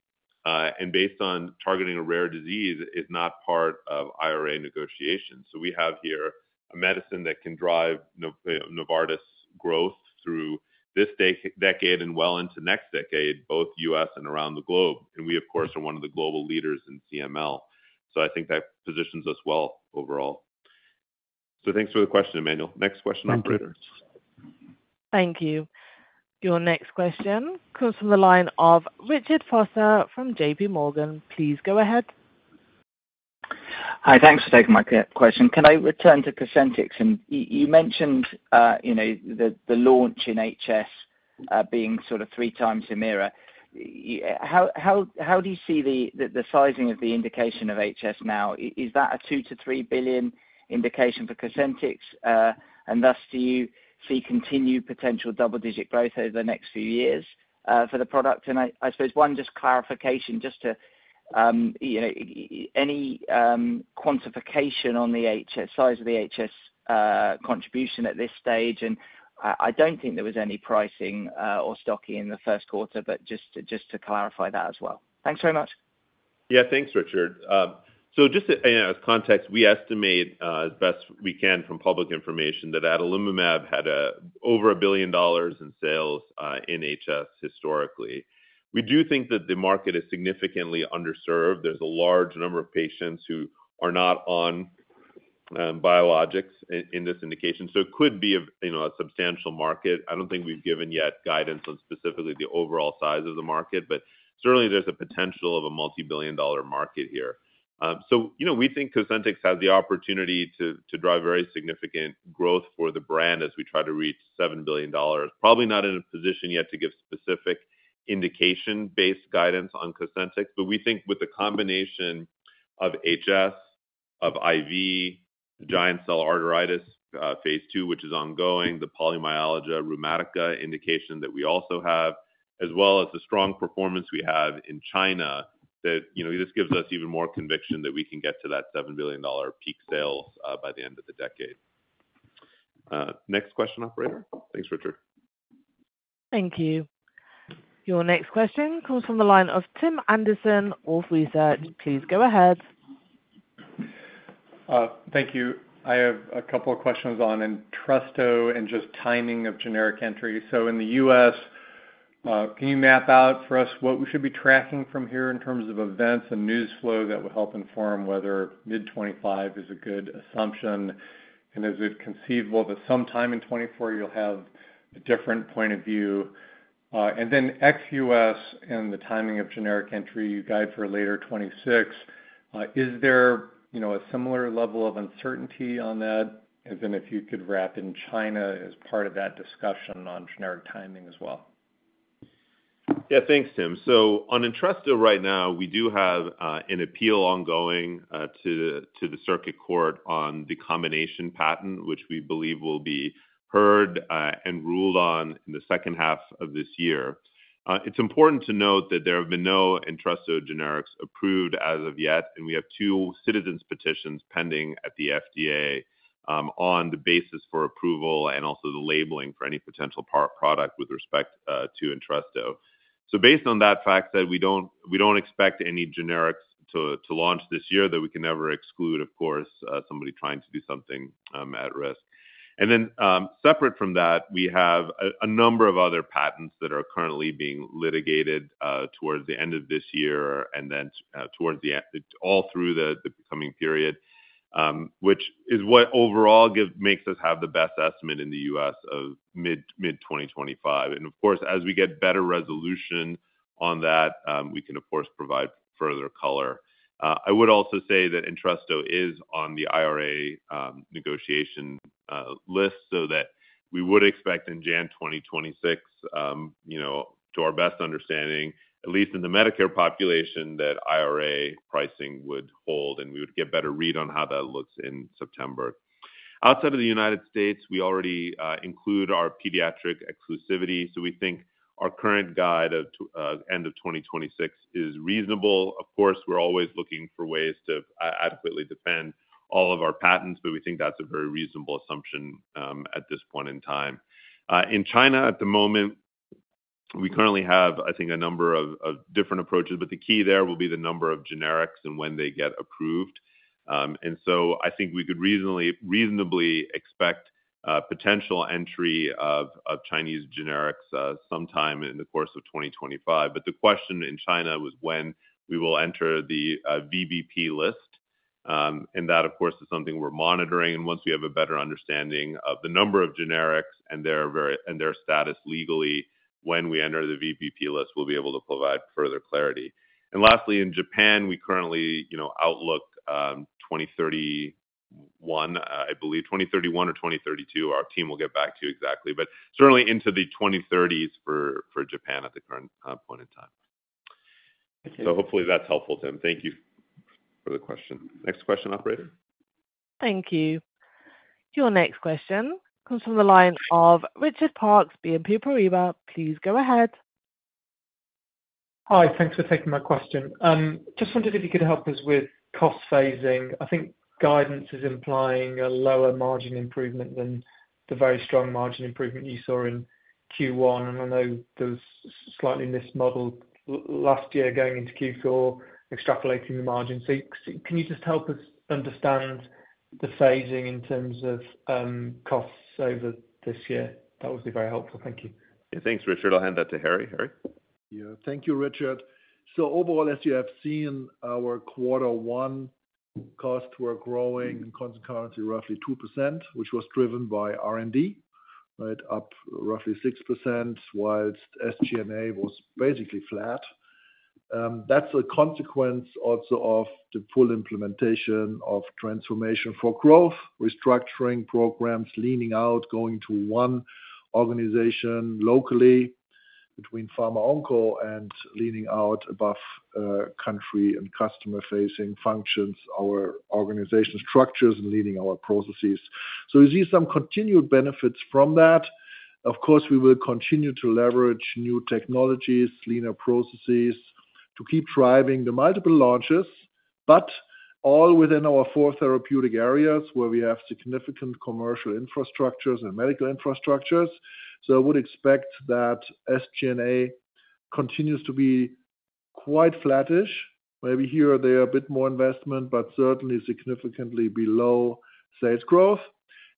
[SPEAKER 3] And based on targeting a rare disease, it's not part of IRA negotiations. So we have here a medicine that can drive Novartis' growth through this decade and well into next decade, both U.S. and around the globe. And we, of course, are one of the global leaders in CML. So I think that positions us well overall. So thanks for the question, Emmanuel. Next question, operator.
[SPEAKER 1] Thank you. Your next question comes from the line of Richard Vosser from J.P. Morgan. Please go ahead.
[SPEAKER 11] Hi. Thanks for taking my question. Can I return to Cosentyx? And you mentioned the launch in HS being sort of three times Humira. How do you see the sizing of the indication of HS now? Is that a $2 billion-$3 billion indication for Cosentyx? And thus, do you see continued potential double-digit growth over the next few years for the product? And I suppose one just clarification, just to any quantification on the HS, size of the HS contribution at this stage? And I don't think there was any pricing or stocking in the first quarter, but just to clarify that as well. Thanks very much.
[SPEAKER 3] Yeah, thanks, Richard. So just as context, we estimate as best we can from public information that adalimumab had over $1 billion in sales in HS historically. We do think that the market is significantly underserved. There's a large number of patients who are not on biologics in this indication. So it could be a substantial market. I don't think we've given yet guidance on specifically the overall size of the market. But certainly, there's a potential of a multi-billion-dollar market here. So we think Cosentyx has the opportunity to drive very significant growth for the brand as we try to reach $7 billion, probably not in a position yet to give specific indication-based guidance on Cosentyx. But we think with the combination of HS, of IV, the giant cell arteritis phase II, which is ongoing, the polymyalgia rheumatica indication that we also have, as well as the strong performance we have in China, that this gives us even more conviction that we can get to that $7 billion peak sales by the end of the decade. Next question, operator. Thanks, Richard.
[SPEAKER 1] Thank you. Your next question comes from the line of Tim Anderson, Wolfe Research. Please go ahead.
[SPEAKER 12] Thank you. I have a couple of questions on Entresto and just timing of generic entry. So in the U.S., can you map out for us what we should be tracking from here in terms of events and news flow that will help inform whether mid-2025 is a good assumption? And is it conceivable that sometime in 2024, you'll have a different point of view? And then ex-U.S. and the timing of generic entry, you guide for later 2026. Is there a similar level of uncertainty on that? And then if you could wrap in China as part of that discussion on generic timing as well.
[SPEAKER 3] Yeah, thanks, Tim. So on Entresto right now, we do have an appeal ongoing to the Circuit Court on the combination patent, which we believe will be heard and ruled on in the second half of this year. It's important to note that there have been no Entresto generics approved as of yet. And we have two citizens' petitions pending at the FDA on the basis for approval and also the labeling for any potential product with respect to Entresto. So based on that fact said, we don't expect any generics to launch this year that we can never exclude, of course, somebody trying to do something at risk. Then separate from that, we have a number of other patents that are currently being litigated towards the end of this year and then towards the all through the coming period, which is what overall makes us have the best estimate in the U.S. of mid-2025. Of course, as we get better resolution on that, we can, of course, provide further color. I would also say that Entresto is on the IRA negotiation list so that we would expect in January 2026, to our best understanding, at least in the Medicare population, that IRA pricing would hold and we would get better read on how that looks in September. Outside of the United States, we already include our pediatric exclusivity. We think our current guide of end of 2026 is reasonable. Of course, we're always looking for ways to adequately defend all of our patents, but we think that's a very reasonable assumption at this point in time. In China at the moment, we currently have, I think, a number of different approaches. But the key there will be the number of generics and when they get approved. And so I think we could reasonably expect potential entry of Chinese generics sometime in the course of 2025. But the question in China was when we will enter the VBP list. And that, of course, is something we're monitoring. And once we have a better understanding of the number of generics and their status legally, when we enter the VBP list, we'll be able to provide further clarity. And lastly, in Japan, we currently outlook 2031, I believe, 2031 or 2032. Our team will get back to you exactly. Certainly into the 2030s for Japan at the current point in time. Hopefully, that's helpful, Tim. Thank you for the question. Next question, operator.
[SPEAKER 1] Thank you. Your next question comes from the line of Richard Parkes BNP Paribas. Please go ahead.
[SPEAKER 13] Hi. Thanks for taking my question. Just wondered if you could help us with cost phasing. I think guidance is implying a lower margin improvement than the very strong margin improvement you saw in Q1. And I know there was slightly mismodeled last year going into Q4, extrapolating the margin. So can you just help us understand the phasing in terms of costs over this year? That would be very helpful. Thank you.
[SPEAKER 3] Thanks, Richard. I'll hand that to Harry. Harry?
[SPEAKER 4] Yeah. Thank you, Richard. So overall, as you have seen, our quarter one costs were growing in constant currencies roughly 2%, which was driven by R&D, right, up roughly 6%, while SG&A was basically flat. That's a consequence also of the full implementation of transformation for growth, restructuring programs, leaning out, going to one organization locally between pharma, onco and leaning out above country and customer-facing functions, our organization structures, and leaning our processes. So we see some continued benefits from that. Of course, we will continue to leverage new technologies, leaner processes to keep driving the multiple launches, but all within our four therapeutic areas where we have significant commercial infrastructures and medical infrastructures. So I would expect that SG&A continues to be quite flattish. Maybe here or there a bit more investment, but certainly significantly below sales growth.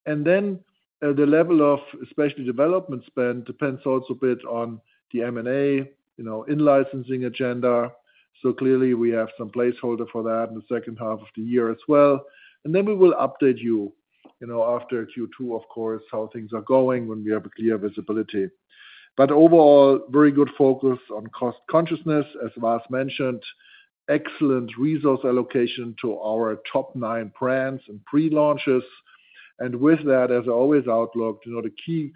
[SPEAKER 4] Then the level of especially development spend depends also a bit on the M&A in-licensing agenda. So clearly, we have some placeholder for that in the second half of the year as well. Then we will update you after Q2, of course, how things are going when we have a clear visibility. But overall, very good focus on cost consciousness, as Vas mentioned, excellent resource allocation to our top nine brands and pre-launches. And with that, as I always outlook, the key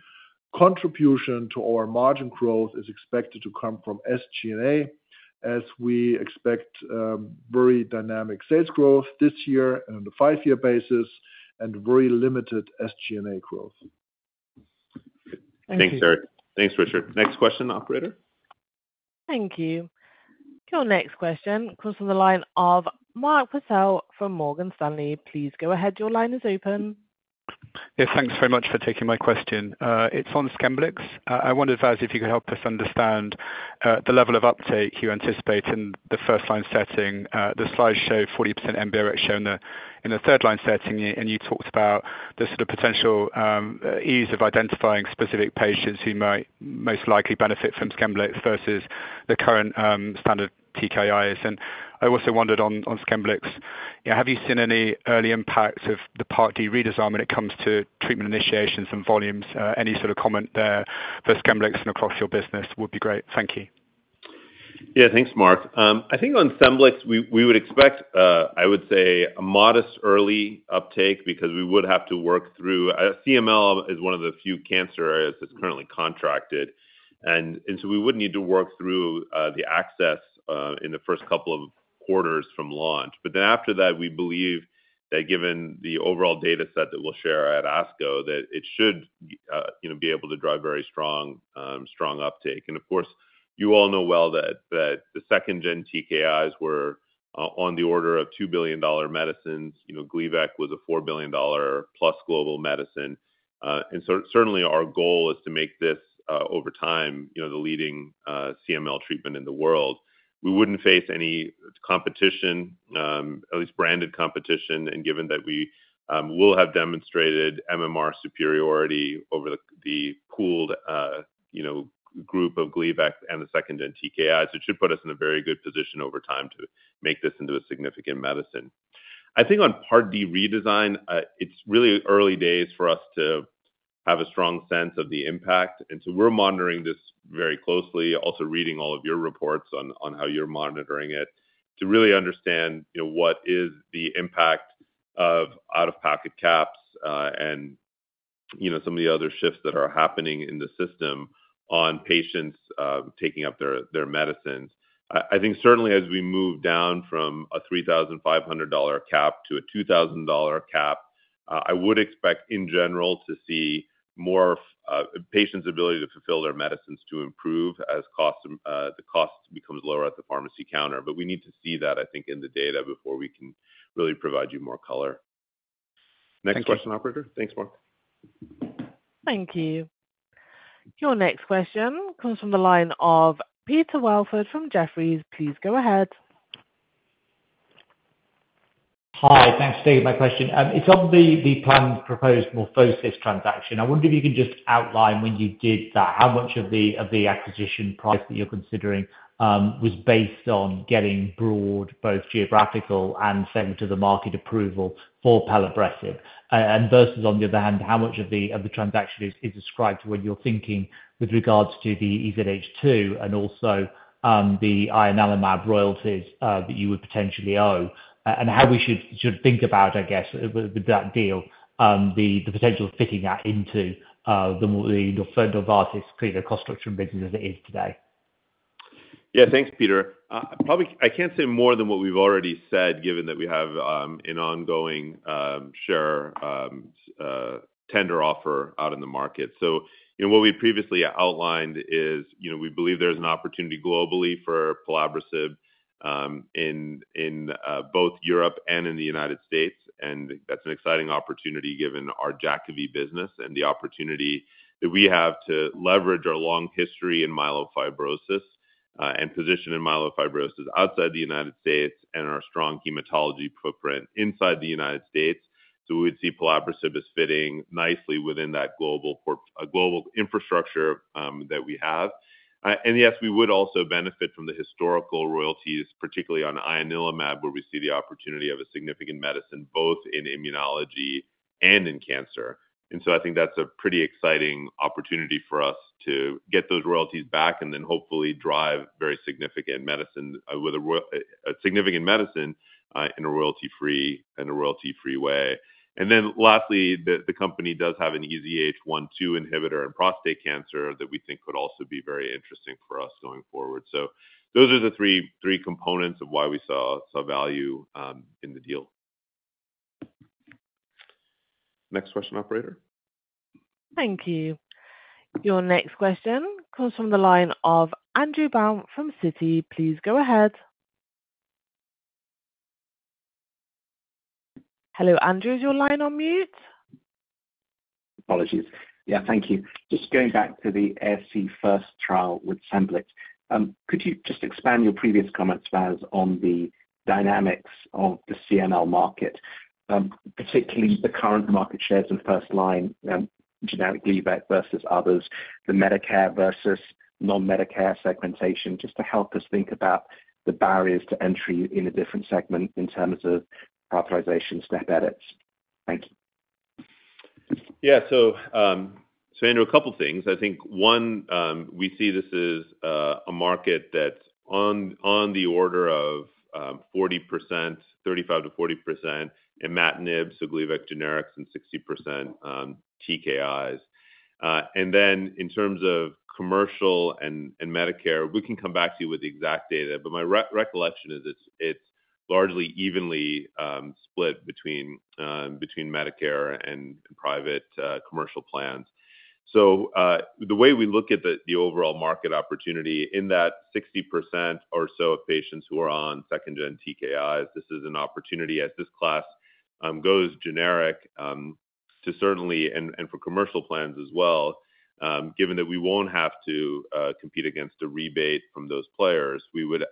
[SPEAKER 4] contribution to our margin growth is expected to come from SG&A as we expect very dynamic sales growth this year and on a five-year basis and very limited SG&A growth.
[SPEAKER 13] Thanks, Harry.
[SPEAKER 3] Thanks, Richard. Next question, operator.
[SPEAKER 1] Thank you. Your next question comes from the line of Mark Purcell from Morgan Stanley. Please go ahead. Your line is open.
[SPEAKER 14] Yeah. Thanks very much for taking my question. It's on Scemblix. I wondered, Vas, if you could help us understand the level of uptake you anticipate in the first-line setting. The slides show 40% NBRX shown in the third-line setting. And you talked about the sort of potential ease of identifying specific patients who might most likely benefit from Scemblix versus the current standard TKIs. And I also wondered on Scemblix, have you seen any early impacts of the Part D redesign when it comes to treatment initiations and volumes? Any sort of comment there for Scemblix and across your business would be great. Thank you.
[SPEAKER 3] Yeah. Thanks, Mark. I think on Scemblix, we would expect, I would say, a modest early uptake because we would have to work through CML is one of the few cancer areas that's currently contracted. And so we would need to work through the access in the first couple of quarters from launch. But then after that, we believe that given the overall data set that we'll share at ASCO, that it should be able to drive very strong uptake. And of course, you all know well that the second-gen TKIs were on the order of $2 billion medicines. Gleevec was a $4 billion-plus global medicine. And so certainly, our goal is to make this, over time, the leading CML treatment in the world. We wouldn't face any competition, at least branded competition, given that we will have demonstrated MMR superiority over the pooled group of Gleevec and the second-gen TKIs. It should put us in a very good position over time to make this into a significant medicine. I think on Part D redesign, it's really early days for us to have a strong sense of the impact. And so we're monitoring this very closely, also reading all of your reports on how you're monitoring it to really understand what is the impact of out-of-pocket caps and some of the other shifts that are happening in the system on patients taking up their medicines. I think certainly, as we move down from a $3,500 cap to a $2,000 cap, I would expect, in general, to see more patients' ability to fulfill their medicines to improve as the cost becomes lower at the pharmacy counter. But we need to see that, I think, in the data before we can really provide you more color. Next question, operator. Thanks, Mark.
[SPEAKER 1] Thank you. Your next question comes from the line of Peter Welford from Jefferies. Please go ahead.
[SPEAKER 15] Hi. Thanks for taking my question. It's obviously the planned proposed MorphoSys transaction. I wondered if you can just outline when you did that, how much of the acquisition price that you're considering was based on getting broad, both geographical and segment-of-the-market approval for pelabresib, and versus, on the other hand, how much of the transaction is ascribed to what you're thinking with regards to the EZH2 and also the ianalumab royalties that you would potentially owe, and how we should think about, I guess, with that deal, the potential of fitting that into the Novartis cleaner cost structure and business as it is today.
[SPEAKER 3] Yeah. Thanks, Peter. I can't say more than what we've already said, given that we have an ongoing share tender offer out in the market. So what we previously outlined is we believe there's an opportunity globally for pelabresib in both Europe and in the United States. And that's an exciting opportunity given our Jakavi business and the opportunity that we have to leverage our long history in myelofibrosis and position in myelofibrosis outside the United States and our strong hematology footprint inside the United States. So we would see pelabresib as fitting nicely within that global infrastructure that we have. And yes, we would also benefit from the historical royalties, particularly on ianalumab, where we see the opportunity of a significant medicine both in immunology and in cancer. And so I think that's a pretty exciting opportunity for us to get those royalties back and then hopefully drive very significant medicine with a significant medicine in a royalty-free way. And then lastly, the company does have an EZH1/2 inhibitor in prostate cancer that we think could also be very interesting for us going forward. So those are the three components of why we saw value in the deal. Next question, operator.
[SPEAKER 1] Thank you. Your next question comes from the line of Andrew Baum from Citi. Please go ahead. Hello, Andrew. Is your line on mute?
[SPEAKER 16] Apologies. Yeah. Thank you. Just going back to the ASC4FIRST trial with Scemblix, could you just expand your previous comments, Vas, on the dynamics of the CML market, particularly the current market shares in first-line, generic Gleevec versus others, the Medicare versus non-Medicare segmentation, just to help us think about the barriers to entry in a different segment in terms of prioritization step edits? Thank you.
[SPEAKER 3] Yeah. So Andrew, a couple of things. I think, one, we see this is a market that's on the order of 35%-40% in imatinib, so Gleevec generics, and 60% TKIs. And then in terms of commercial and Medicare, we can come back to you with the exact data. But my recollection is it's largely evenly split between Medicare and private commercial plans. So the way we look at the overall market opportunity, in that 60% or so of patients who are on second-gen TKIs, this is an opportunity, as this class goes generic, and for commercial plans as well, given that we won't have to compete against a rebate from those players, we would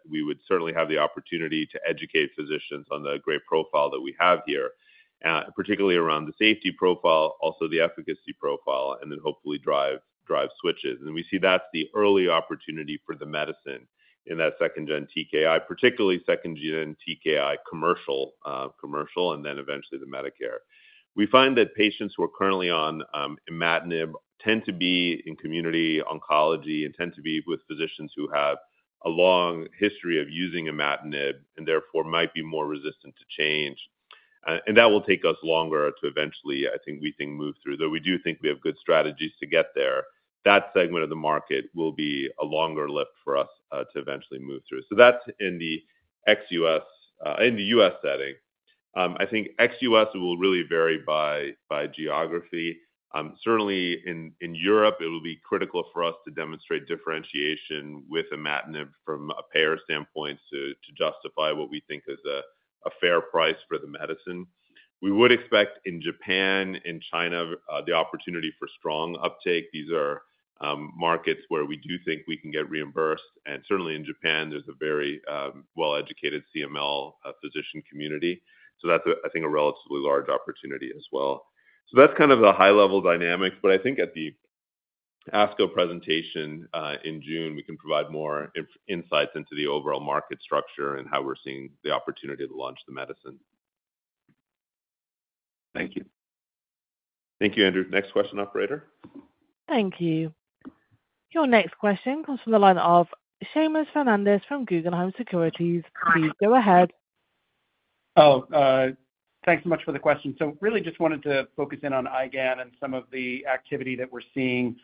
[SPEAKER 3] certainly have the opportunity to educate physicians on the great profile that we have here, particularly around the safety profile, also the efficacy profile, and then hopefully drive switches. And we see that's the early opportunity for the medicine in that second-gen TKI, particularly second-gen TKI commercial and then eventually the Medicare. We find that patients who are currently on imatinib tend to be in community oncology and tend to be with physicians who have a long history of using imatinib and therefore might be more resistant to change. And that will take us longer to eventually, I think, move through. Though we do think we have good strategies to get there, that segment of the market will be a longer lift for us to eventually move through. So that's in the U.S. setting. I think ex-U.S. will really vary by geography. Certainly, in Europe, it will be critical for us to demonstrate differentiation with imatinib from a payer standpoint to justify what we think is a fair price for the medicine. We would expect in Japan and China the opportunity for strong uptake. These are markets where we do think we can get reimbursed. And certainly, in Japan, there's a very well-educated CML physician community. So that's, I think, a relatively large opportunity as well. So that's kind of the high-level dynamics. But I think at the ASCO presentation in June, we can provide more insights into the overall market structure and how we're seeing the opportunity to launch the medicine. Thank you. Thank you, Andrew. Next question, operator.
[SPEAKER 1] Thank you. Your next question comes from the line of Seamus Fernandez from Guggenheim Securities. Please go ahead.
[SPEAKER 17] Oh, thanks so much for the question. So really just wanted to focus in on IgAN and some of the activity that we're seeing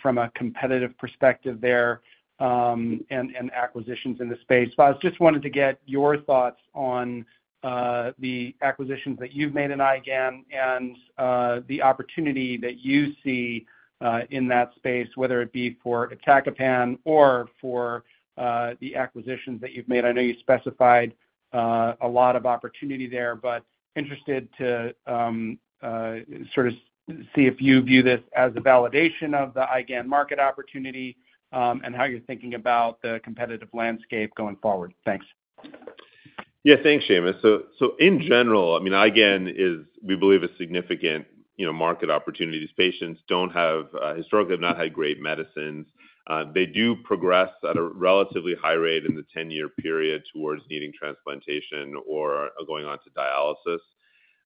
[SPEAKER 17] from a competitive perspective there and acquisitions in the space. Vas, just wanted to get your thoughts on the acquisitions that you've made in IgAN and the opportunity that you see in that space, whether it be for atrasentan or for the acquisitions that you've made. I know you specified a lot of opportunity there, but interested to sort of see if you view this as a validation of the IgAN market opportunity and how you're thinking about the competitive landscape going forward. Thanks.
[SPEAKER 3] Yeah. Thanks, Seamus. So in general, I mean, IgAN is, we believe, a significant market opportunity. These patients historically have not had great medicines. They do progress at a relatively high rate in the 10-year period towards needing transplantation or going on to dialysis.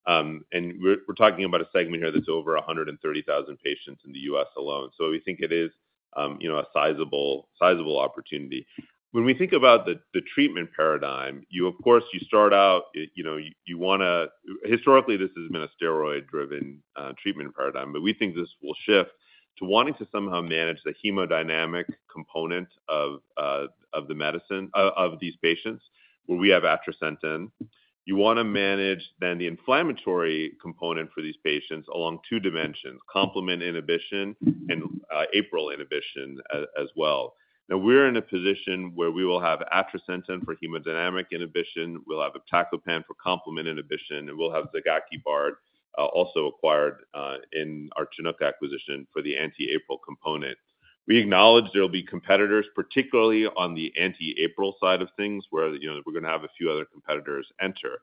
[SPEAKER 3] And we're talking about a segment here that's over 130,000 patients in the U.S. alone. So we think it is a sizable opportunity. When we think about the treatment paradigm, of course, you start out you want to historically, this has been a steroid-driven treatment paradigm. But we think this will shift to wanting to somehow manage the hemodynamic component of these patients where we have atrasentan. You want to manage then the inflammatory component for these patients along two dimensions, complement inhibition and APRIL inhibition as well. Now, we're in a position where we will have atrasentan for hemodynamic inhibition. We'll have iptacopan for complement inhibition. And we'll have Zigakibart also acquired in our Chinook acquisition for the anti-APRIL component. We acknowledge there'll be competitors, particularly on the anti-APRIL side of things, where we're going to have a few other competitors enter.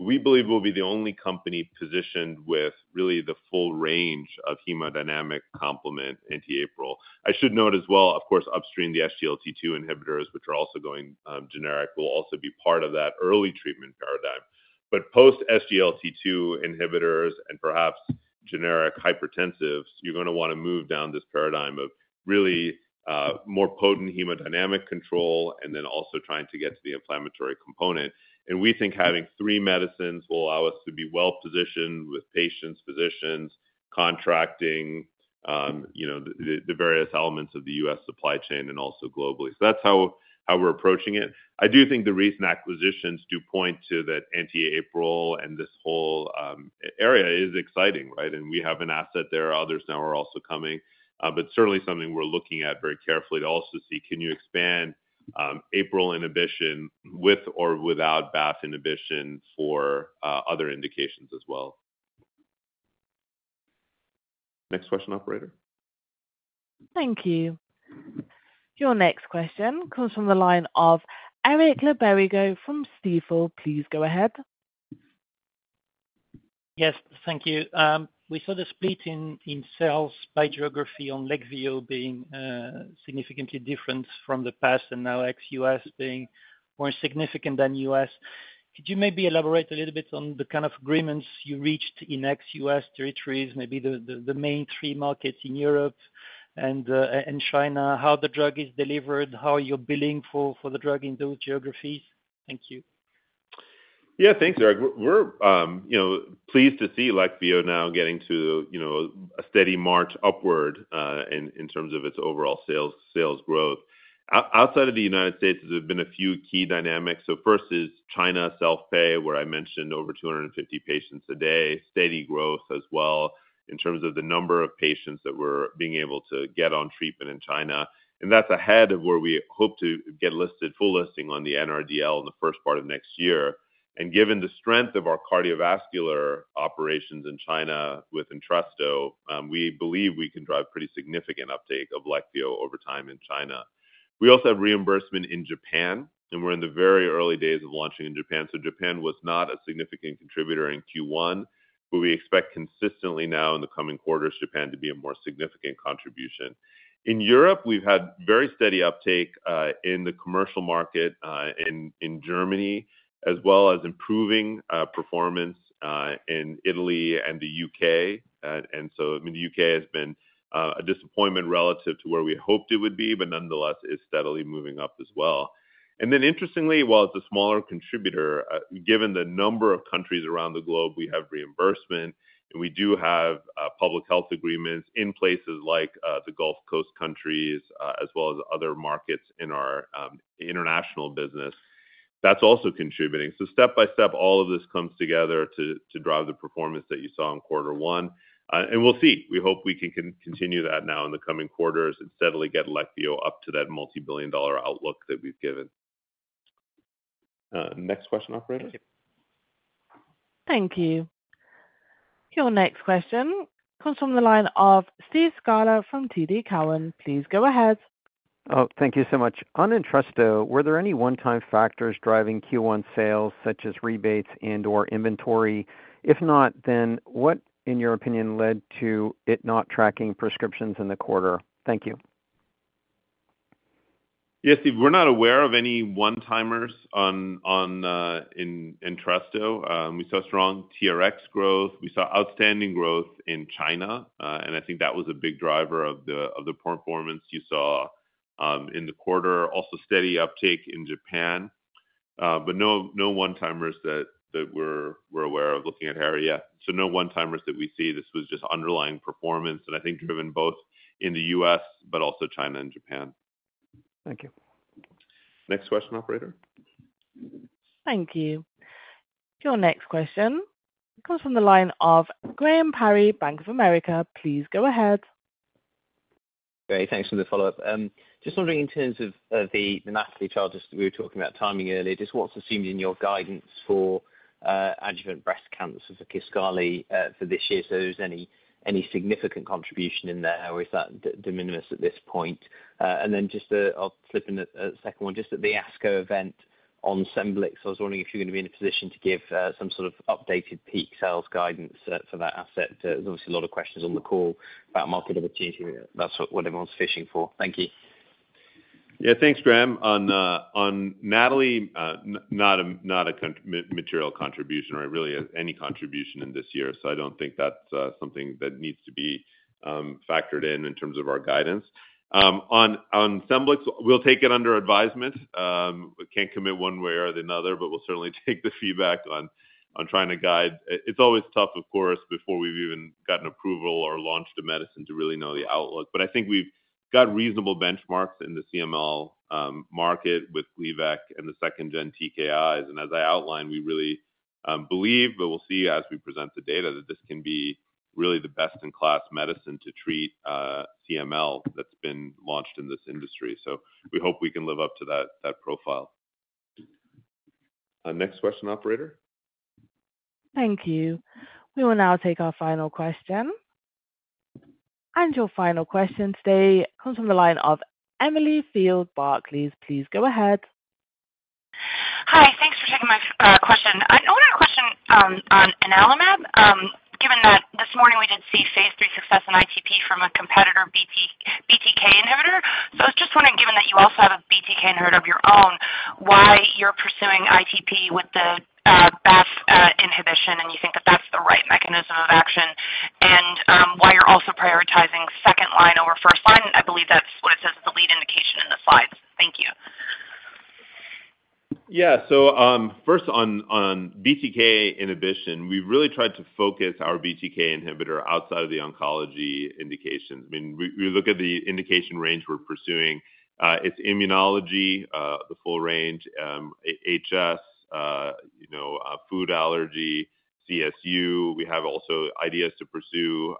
[SPEAKER 3] We believe we'll be the only company positioned with really the full range of hemodynamic complement anti-APRIL. I should note as well, of course, upstream, the SGLT2 inhibitors, which are also going generic, will also be part of that early treatment paradigm. But post-SGLT2 inhibitors and perhaps generic hypertensives, you're going to want to move down this paradigm of really more potent hemodynamic control and then also trying to get to the inflammatory component. And we think having three medicines will allow us to be well-positioned with patients, physicians, contracting, the various elements of the U.S. supply chain, and also globally. So that's how we're approaching it. I do think the recent acquisitions do point to that anti-APRIL and this whole area is exciting, right? We have an asset there. Others now are also coming. But certainly, something we're looking at very carefully to also see, can you expand APRIL inhibition with or without BAFF inhibition for other indications as well? Next question, operator.
[SPEAKER 1] Thank you. Your next question comes from the line of Eric Le Berrigaud from Stifel. Please go ahead.
[SPEAKER 18] Yes. Thank you. We saw the split in sales by geography on Leqvio being significantly different from the past and now ex-U.S. being more significant than U.S. Could you maybe elaborate a little bit on the kind of agreements you reached in ex-U.S. territories, maybe the main three markets in Europe and China, how the drug is delivered, how you're billing for the drug in those geographies? Thank you.
[SPEAKER 3] Yeah. Thanks, Eric. We're pleased to see Leqvio now getting to a steady march upward in terms of its overall sales growth. Outside of the United States, there have been a few key dynamics. So first is China self-pay, where I mentioned over 250 patients a day, steady growth as well in terms of the number of patients that we're being able to get on treatment in China. And that's ahead of where we hope to get full listing on the NRDL in the first part of next year. And given the strength of our cardiovascular operations in China with Entresto, we believe we can drive pretty significant uptake of Leqvio over time in China. We also have reimbursement in Japan, and we're in the very early days of launching in Japan. So Japan was not a significant contributor in Q1, but we expect consistently now in the coming quarters, Japan to be a more significant contribution. In Europe, we've had very steady uptake in the commercial market, in Germany, as well as improving performance in Italy and the UK. And so, I mean, the UK has been a disappointment relative to where we hoped it would be, but nonetheless, is steadily moving up as well. And then interestingly, while it's a smaller contributor, given the number of countries around the globe, we have reimbursement, and we do have public health agreements in places like the Gulf countries as well as other markets in our international business. That's also contributing. So step by step, all of this comes together to drive the performance that you saw in quarter one. And we'll see. We hope we can continue that now in the coming quarters and steadily get Leqvio up to that multibillion-dollar outlook that we've given. Next question, operator.
[SPEAKER 1] Thank you. Your next question comes from the line of Steve Scala from TD Cowen. Please go ahead.
[SPEAKER 6] Oh, thank you so much. On Entresto, were there any one-time factors driving Q1 sales such as rebates and/or inventory? If not, then what, in your opinion, led to it not tracking prescriptions in the quarter? Thank you.
[SPEAKER 3] Yes, Steve. We're not aware of any one-timers in Entresto. We saw strong TRx growth. We saw outstanding growth in China. And I think that was a big driver of the performance you saw in the quarter, also steady uptake in Japan. But no one-timers that we're aware of looking at, Harry, yeah. So no one-timers that we see. This was just underlying performance, and I think driven both in the U.S. but also China and Japan.
[SPEAKER 6] Thank you.
[SPEAKER 3] Next question, operator.
[SPEAKER 1] Thank you. Your next question comes from the line of Graham Parry, Bank of America. Please go ahead.
[SPEAKER 7] Great. Thanks for the follow-up. Just wondering, in terms of the monthly charges that we were talking about timing earlier, just what's assumed in your guidance for adjuvant breast cancer for Kisqali for this year? So is there any significant contribution in there, or is that de minimis at this point? And then just I'll flip in a second one. Just at the ASCO event on Scemblix, I was wondering if you're going to be in a position to give some sort of updated peak sales guidance for that asset. There's obviously a lot of questions on the call about market opportunity. That's what everyone's fishing for. Thank you.
[SPEAKER 3] Yeah. Thanks, Graham. On NATALEE, not a material contribution or really any contribution in this year. So I don't think that's something that needs to be factored in in terms of our guidance. On Scemblix, we'll take it under advisement. We can't commit one way or the other, but we'll certainly take the feedback on trying to guide. It's always tough, of course, before we've even gotten approval or launched a medicine to really know the outlook. But I think we've got reasonable benchmarks in the CML market with Gleevec and the second-gen TKIs. And as I outlined, we really believe, but we'll see as we present the data, that this can be really the best-in-class medicine to treat CML that's been launched in this industry. So we hope we can live up to that profile. Next question, operator.
[SPEAKER 1] Thank you. We will now take our final question. Your final question today comes from the line of Emily Field, Barclays. Please go ahead.
[SPEAKER 8] Hi. Thanks for taking my question. I wanted to question on ianalumab, given that this morning we did see phase III success in ITP from a competitor BTK inhibitor. So I was just wondering, given that you also have a BTK inhibitor of your own, why you're pursuing ITP with the BAFF inhibition and you think that that's the right mechanism of action, and why you're also prioritizing second line over first line. I believe that's what it says as the lead indication in the slides. Thank you.
[SPEAKER 3] Yeah. So first, on BTK inhibition, we've really tried to focus our BTK inhibitor outside of the oncology indications. I mean, we look at the indication range we're pursuing. It's immunology, the full range, HS, food allergy, CSU. We have also ideas to pursue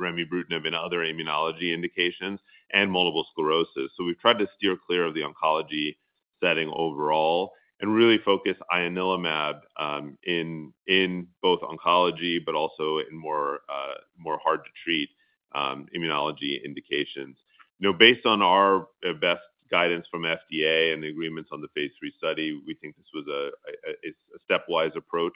[SPEAKER 3] remibrutinib in other immunology indications, and multiple sclerosis. So we've tried to steer clear of the oncology setting overall and really focus ianalumab in both oncology but also in more hard-to-treat immunology indications. Based on our best guidance from FDA and the agreements on the phase III study, we think this was a stepwise approach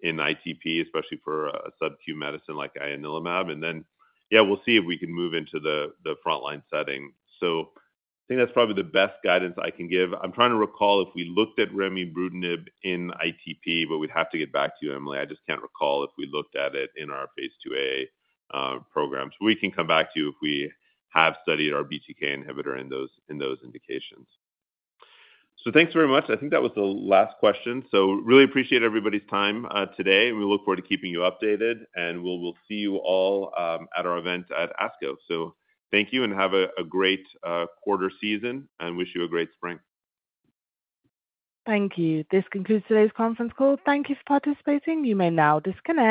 [SPEAKER 3] in ITP, especially for a sub-Q medicine like ianalumab. And then, yeah, we'll see if we can move into the frontline setting. So I think that's probably the best guidance I can give. I'm trying to recall if we looked at remibrutinib in ITP, but we'd have to get back to you, Emily. I just can't recall if we looked at it in our phase II-A program. We can come back to you if we have studied our BTK inhibitor in those indications. Thanks very much. I think that was the last question. We really appreciate everybody's time today, and we look forward to keeping you updated. We'll see you all at our event at ASCO. Thank you and have a great quarter season, and wish you a great spring.
[SPEAKER 1] Thank you. This concludes today's conference call. Thank you for participating. You may now disconnect.